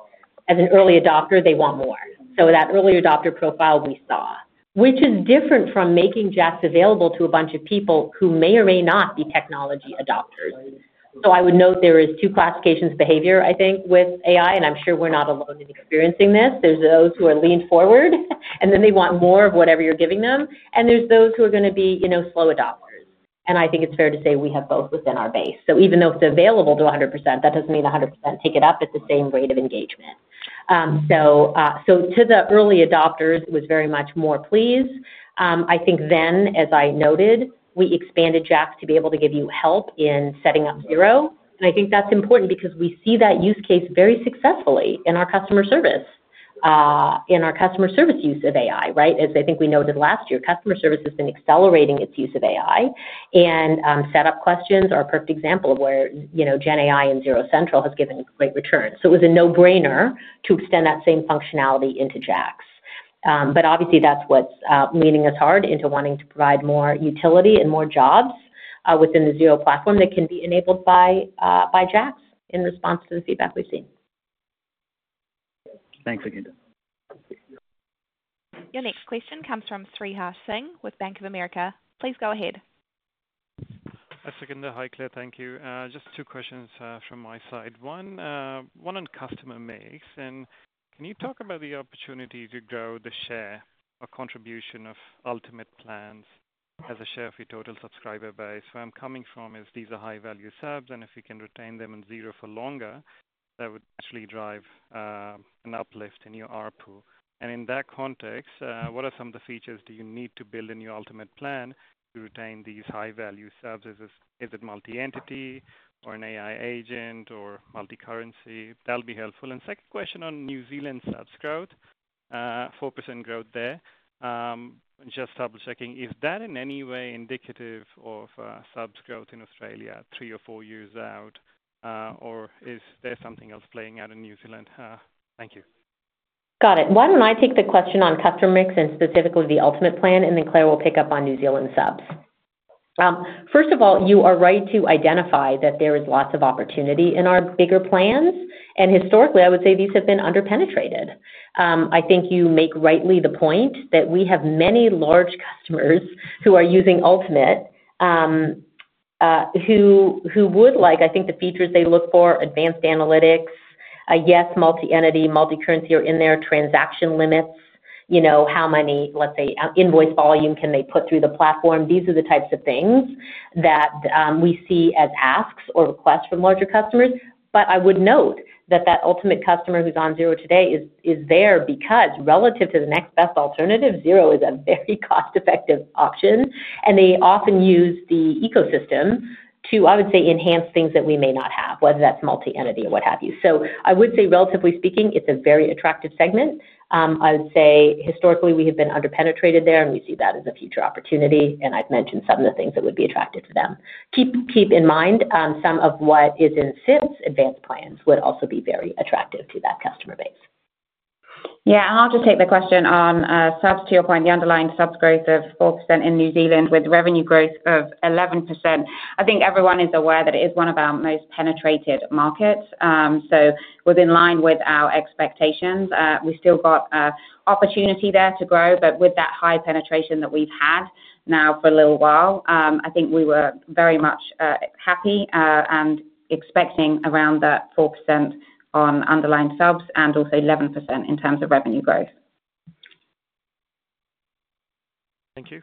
Speaker 2: As an early adopter, they want more. That early adopter profile we saw, which is different from making Jax available to a bunch of people who may or may not be technology adopters. I would note there are two classifications of behavior, I think, with AI, and I'm sure we're not alone in experiencing this. There are those who are leaned forward, and then they want more of whatever you're giving them. There are those who are going to be slow adopters. I think it's fair to say we have both within our base. Even though it's available to 100%, that doesn't mean 100% take it up at the same rate of engagement. To the early adopters, it was very much more pleased. I think then, as I noted, we expanded Jax to be able to give you help in setting up Xero. I think that's important because we see that use case very successfully in our customer service, in our customer service use of AI, right? As I think we noted last year, customer service has been accelerating its use of AI. Setup questions are a perfect example of where GenAI and Xero Central has given great returns. It was a no-brainer to extend that same functionality into Jax. Obviously, that's what's leaning us hard into wanting to provide more utility and more jobs within the Xero platform that can be enabled by Jax in response to the feedback we've seen.
Speaker 13: Thanks, Sukhinder.
Speaker 3: Your next question comes from Srihash Singh with Bank of America. Please go ahead.
Speaker 14: Hi, Sukhinder. Hi, Claire. Thank you. Just two questions from my side. One on customer mix. Can you talk about the opportunity to grow the share or contribution of ultimate plans as a share of your total subscriber base? Where I'm coming from is these are high-value subs, and if you can retain them in Xero for longer, that would actually drive an uplift in your ARPU. In that context, what are some of the features that you need to build in your ultimate plan to retain these high-value subs? Is it multi-entity or an AI agent or multi-currency? That'll be helpful. Second question on New Zealand subs growth, 4% growth there. Just double-checking, is that in any way indicative of subs growth in Australia three or four years out, or is there something else playing out in New Zealand? Thank you.
Speaker 2: Got it. Why do not I take the question on customer mix and specifically the ultimate plan, and then Claire will pick up on New Zealand subs? First of all, you are right to identify that there is lots of opportunity in our bigger plans. Historically, I would say these have been underpenetrated. I think you make rightly the point that we have many large customers who are using ultimate who would like, I think, the features they look for: advanced analytics, yes, multi-entity, multi-currency are in there, transaction limits, how many, let us say, invoice volume can they put through the platform. These are the types of things that we see as asks or requests from larger customers. I would note that that ultimate customer who is on Xero today is there because relative to the next best alternative, Xero is a very cost-effective option. They often use the ecosystem to, I would say, enhance things that we may not have, whether that is multi-entity or what have you. I would say, relatively speaking, it is a very attractive segment. I would say historically, we have been underpenetrated there, and we see that as a future opportunity. I have mentioned some of the things that would be attractive to them. Keep in mind some of what is in SIFT's advanced plans would also be very attractive to that customer base.
Speaker 1: Yeah. I will just take the question on subs. To your point, the underlying subs growth of 4% in New Zealand with revenue growth of 11%. I think everyone is aware that it is one of our most penetrated markets. Within line with our expectations, we have still got opportunity there to grow. With that high penetration that we've had now for a little while, I think we were very much happy and expecting around that 4% on underlying subs and also 11% in terms of revenue growth.
Speaker 14: Thank you.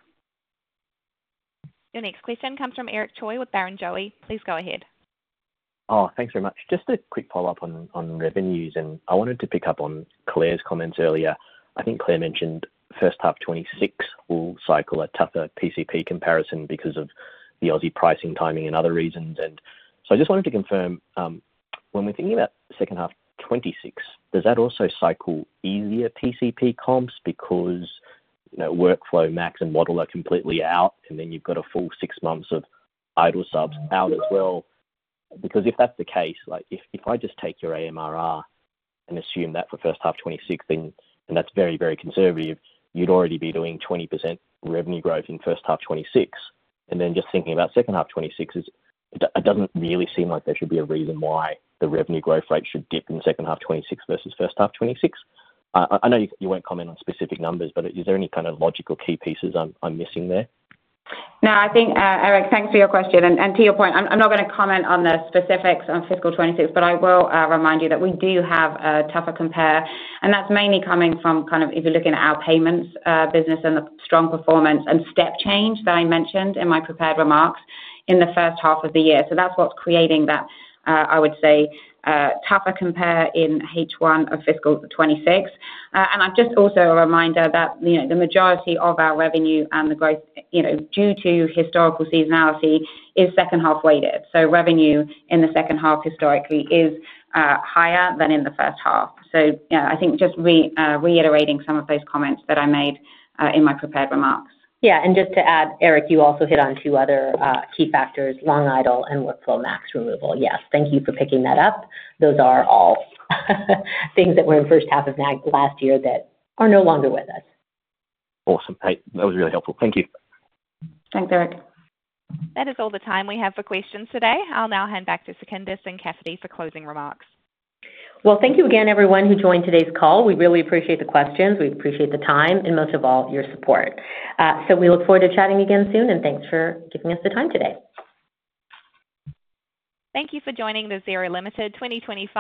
Speaker 3: Your next question comes from Eric Choi with Barrenjoey. Please go ahead.
Speaker 4: Oh, thanks very much. Just a quick follow-up on revenues. I wanted to pick up on Claire's comments earlier. I think Claire mentioned first half 2026 will cycle a tougher PCP comparison because of the Aussie pricing timing and other reasons. I just wanted to confirm, when we're thinking about second half 2026, does that also cycle easier PCP comps because WorkflowMax and model are completely out, and then you've got a full six months of idle subs out as well? Because if that's the case, if I just take your AMRR and assume that for first half 2026, and that's very, very conservative, you'd already be doing 20% revenue growth in first half 2026. And then just thinking about second half 2026, it doesn't really seem like there should be a reason why the revenue growth rate should dip in second half 2026 versus first half 2026. I know you won't comment on specific numbers, but is there any kind of logical key pieces I'm missing there?
Speaker 1: No, I think, Eric, thanks for your question. And to your point, I'm not going to comment on the specifics on fiscal 2026, but I will remind you that we do have a tougher compare. That is mainly coming from, if you are looking at our payments business and the strong performance and step change that I mentioned in my prepared remarks in the first half of the year. That is what is creating that, I would say, tougher compare in H1 of fiscal 2026. I am just also a reminder that the majority of our revenue and the growth due to historical seasonality is second half weighted. Revenue in the second half historically is higher than in the first half. I think just reiterating some of those comments that I made in my prepared remarks.
Speaker 2: Yeah. Just to add, Eric, you also hit on two other key factors: long idle and WorkflowMax removal. Yes. Thank you for picking that up. Those are all things that were in first half of last year that are no longer with us.
Speaker 4: Awesome. Hey, that was really helpful. Thank you.
Speaker 1: Thanks, Eric.
Speaker 3: That is all the time we have for questions today. I'll now hand back to Sukhinder and Kathy for closing remarks.
Speaker 2: Thank you again, everyone who joined today's call. We really appreciate the questions. We appreciate the time, and most of all, your support. We look forward to chatting again soon, and thanks for giving us the time today.
Speaker 1: Thank you for joining the Xero Limited 2025.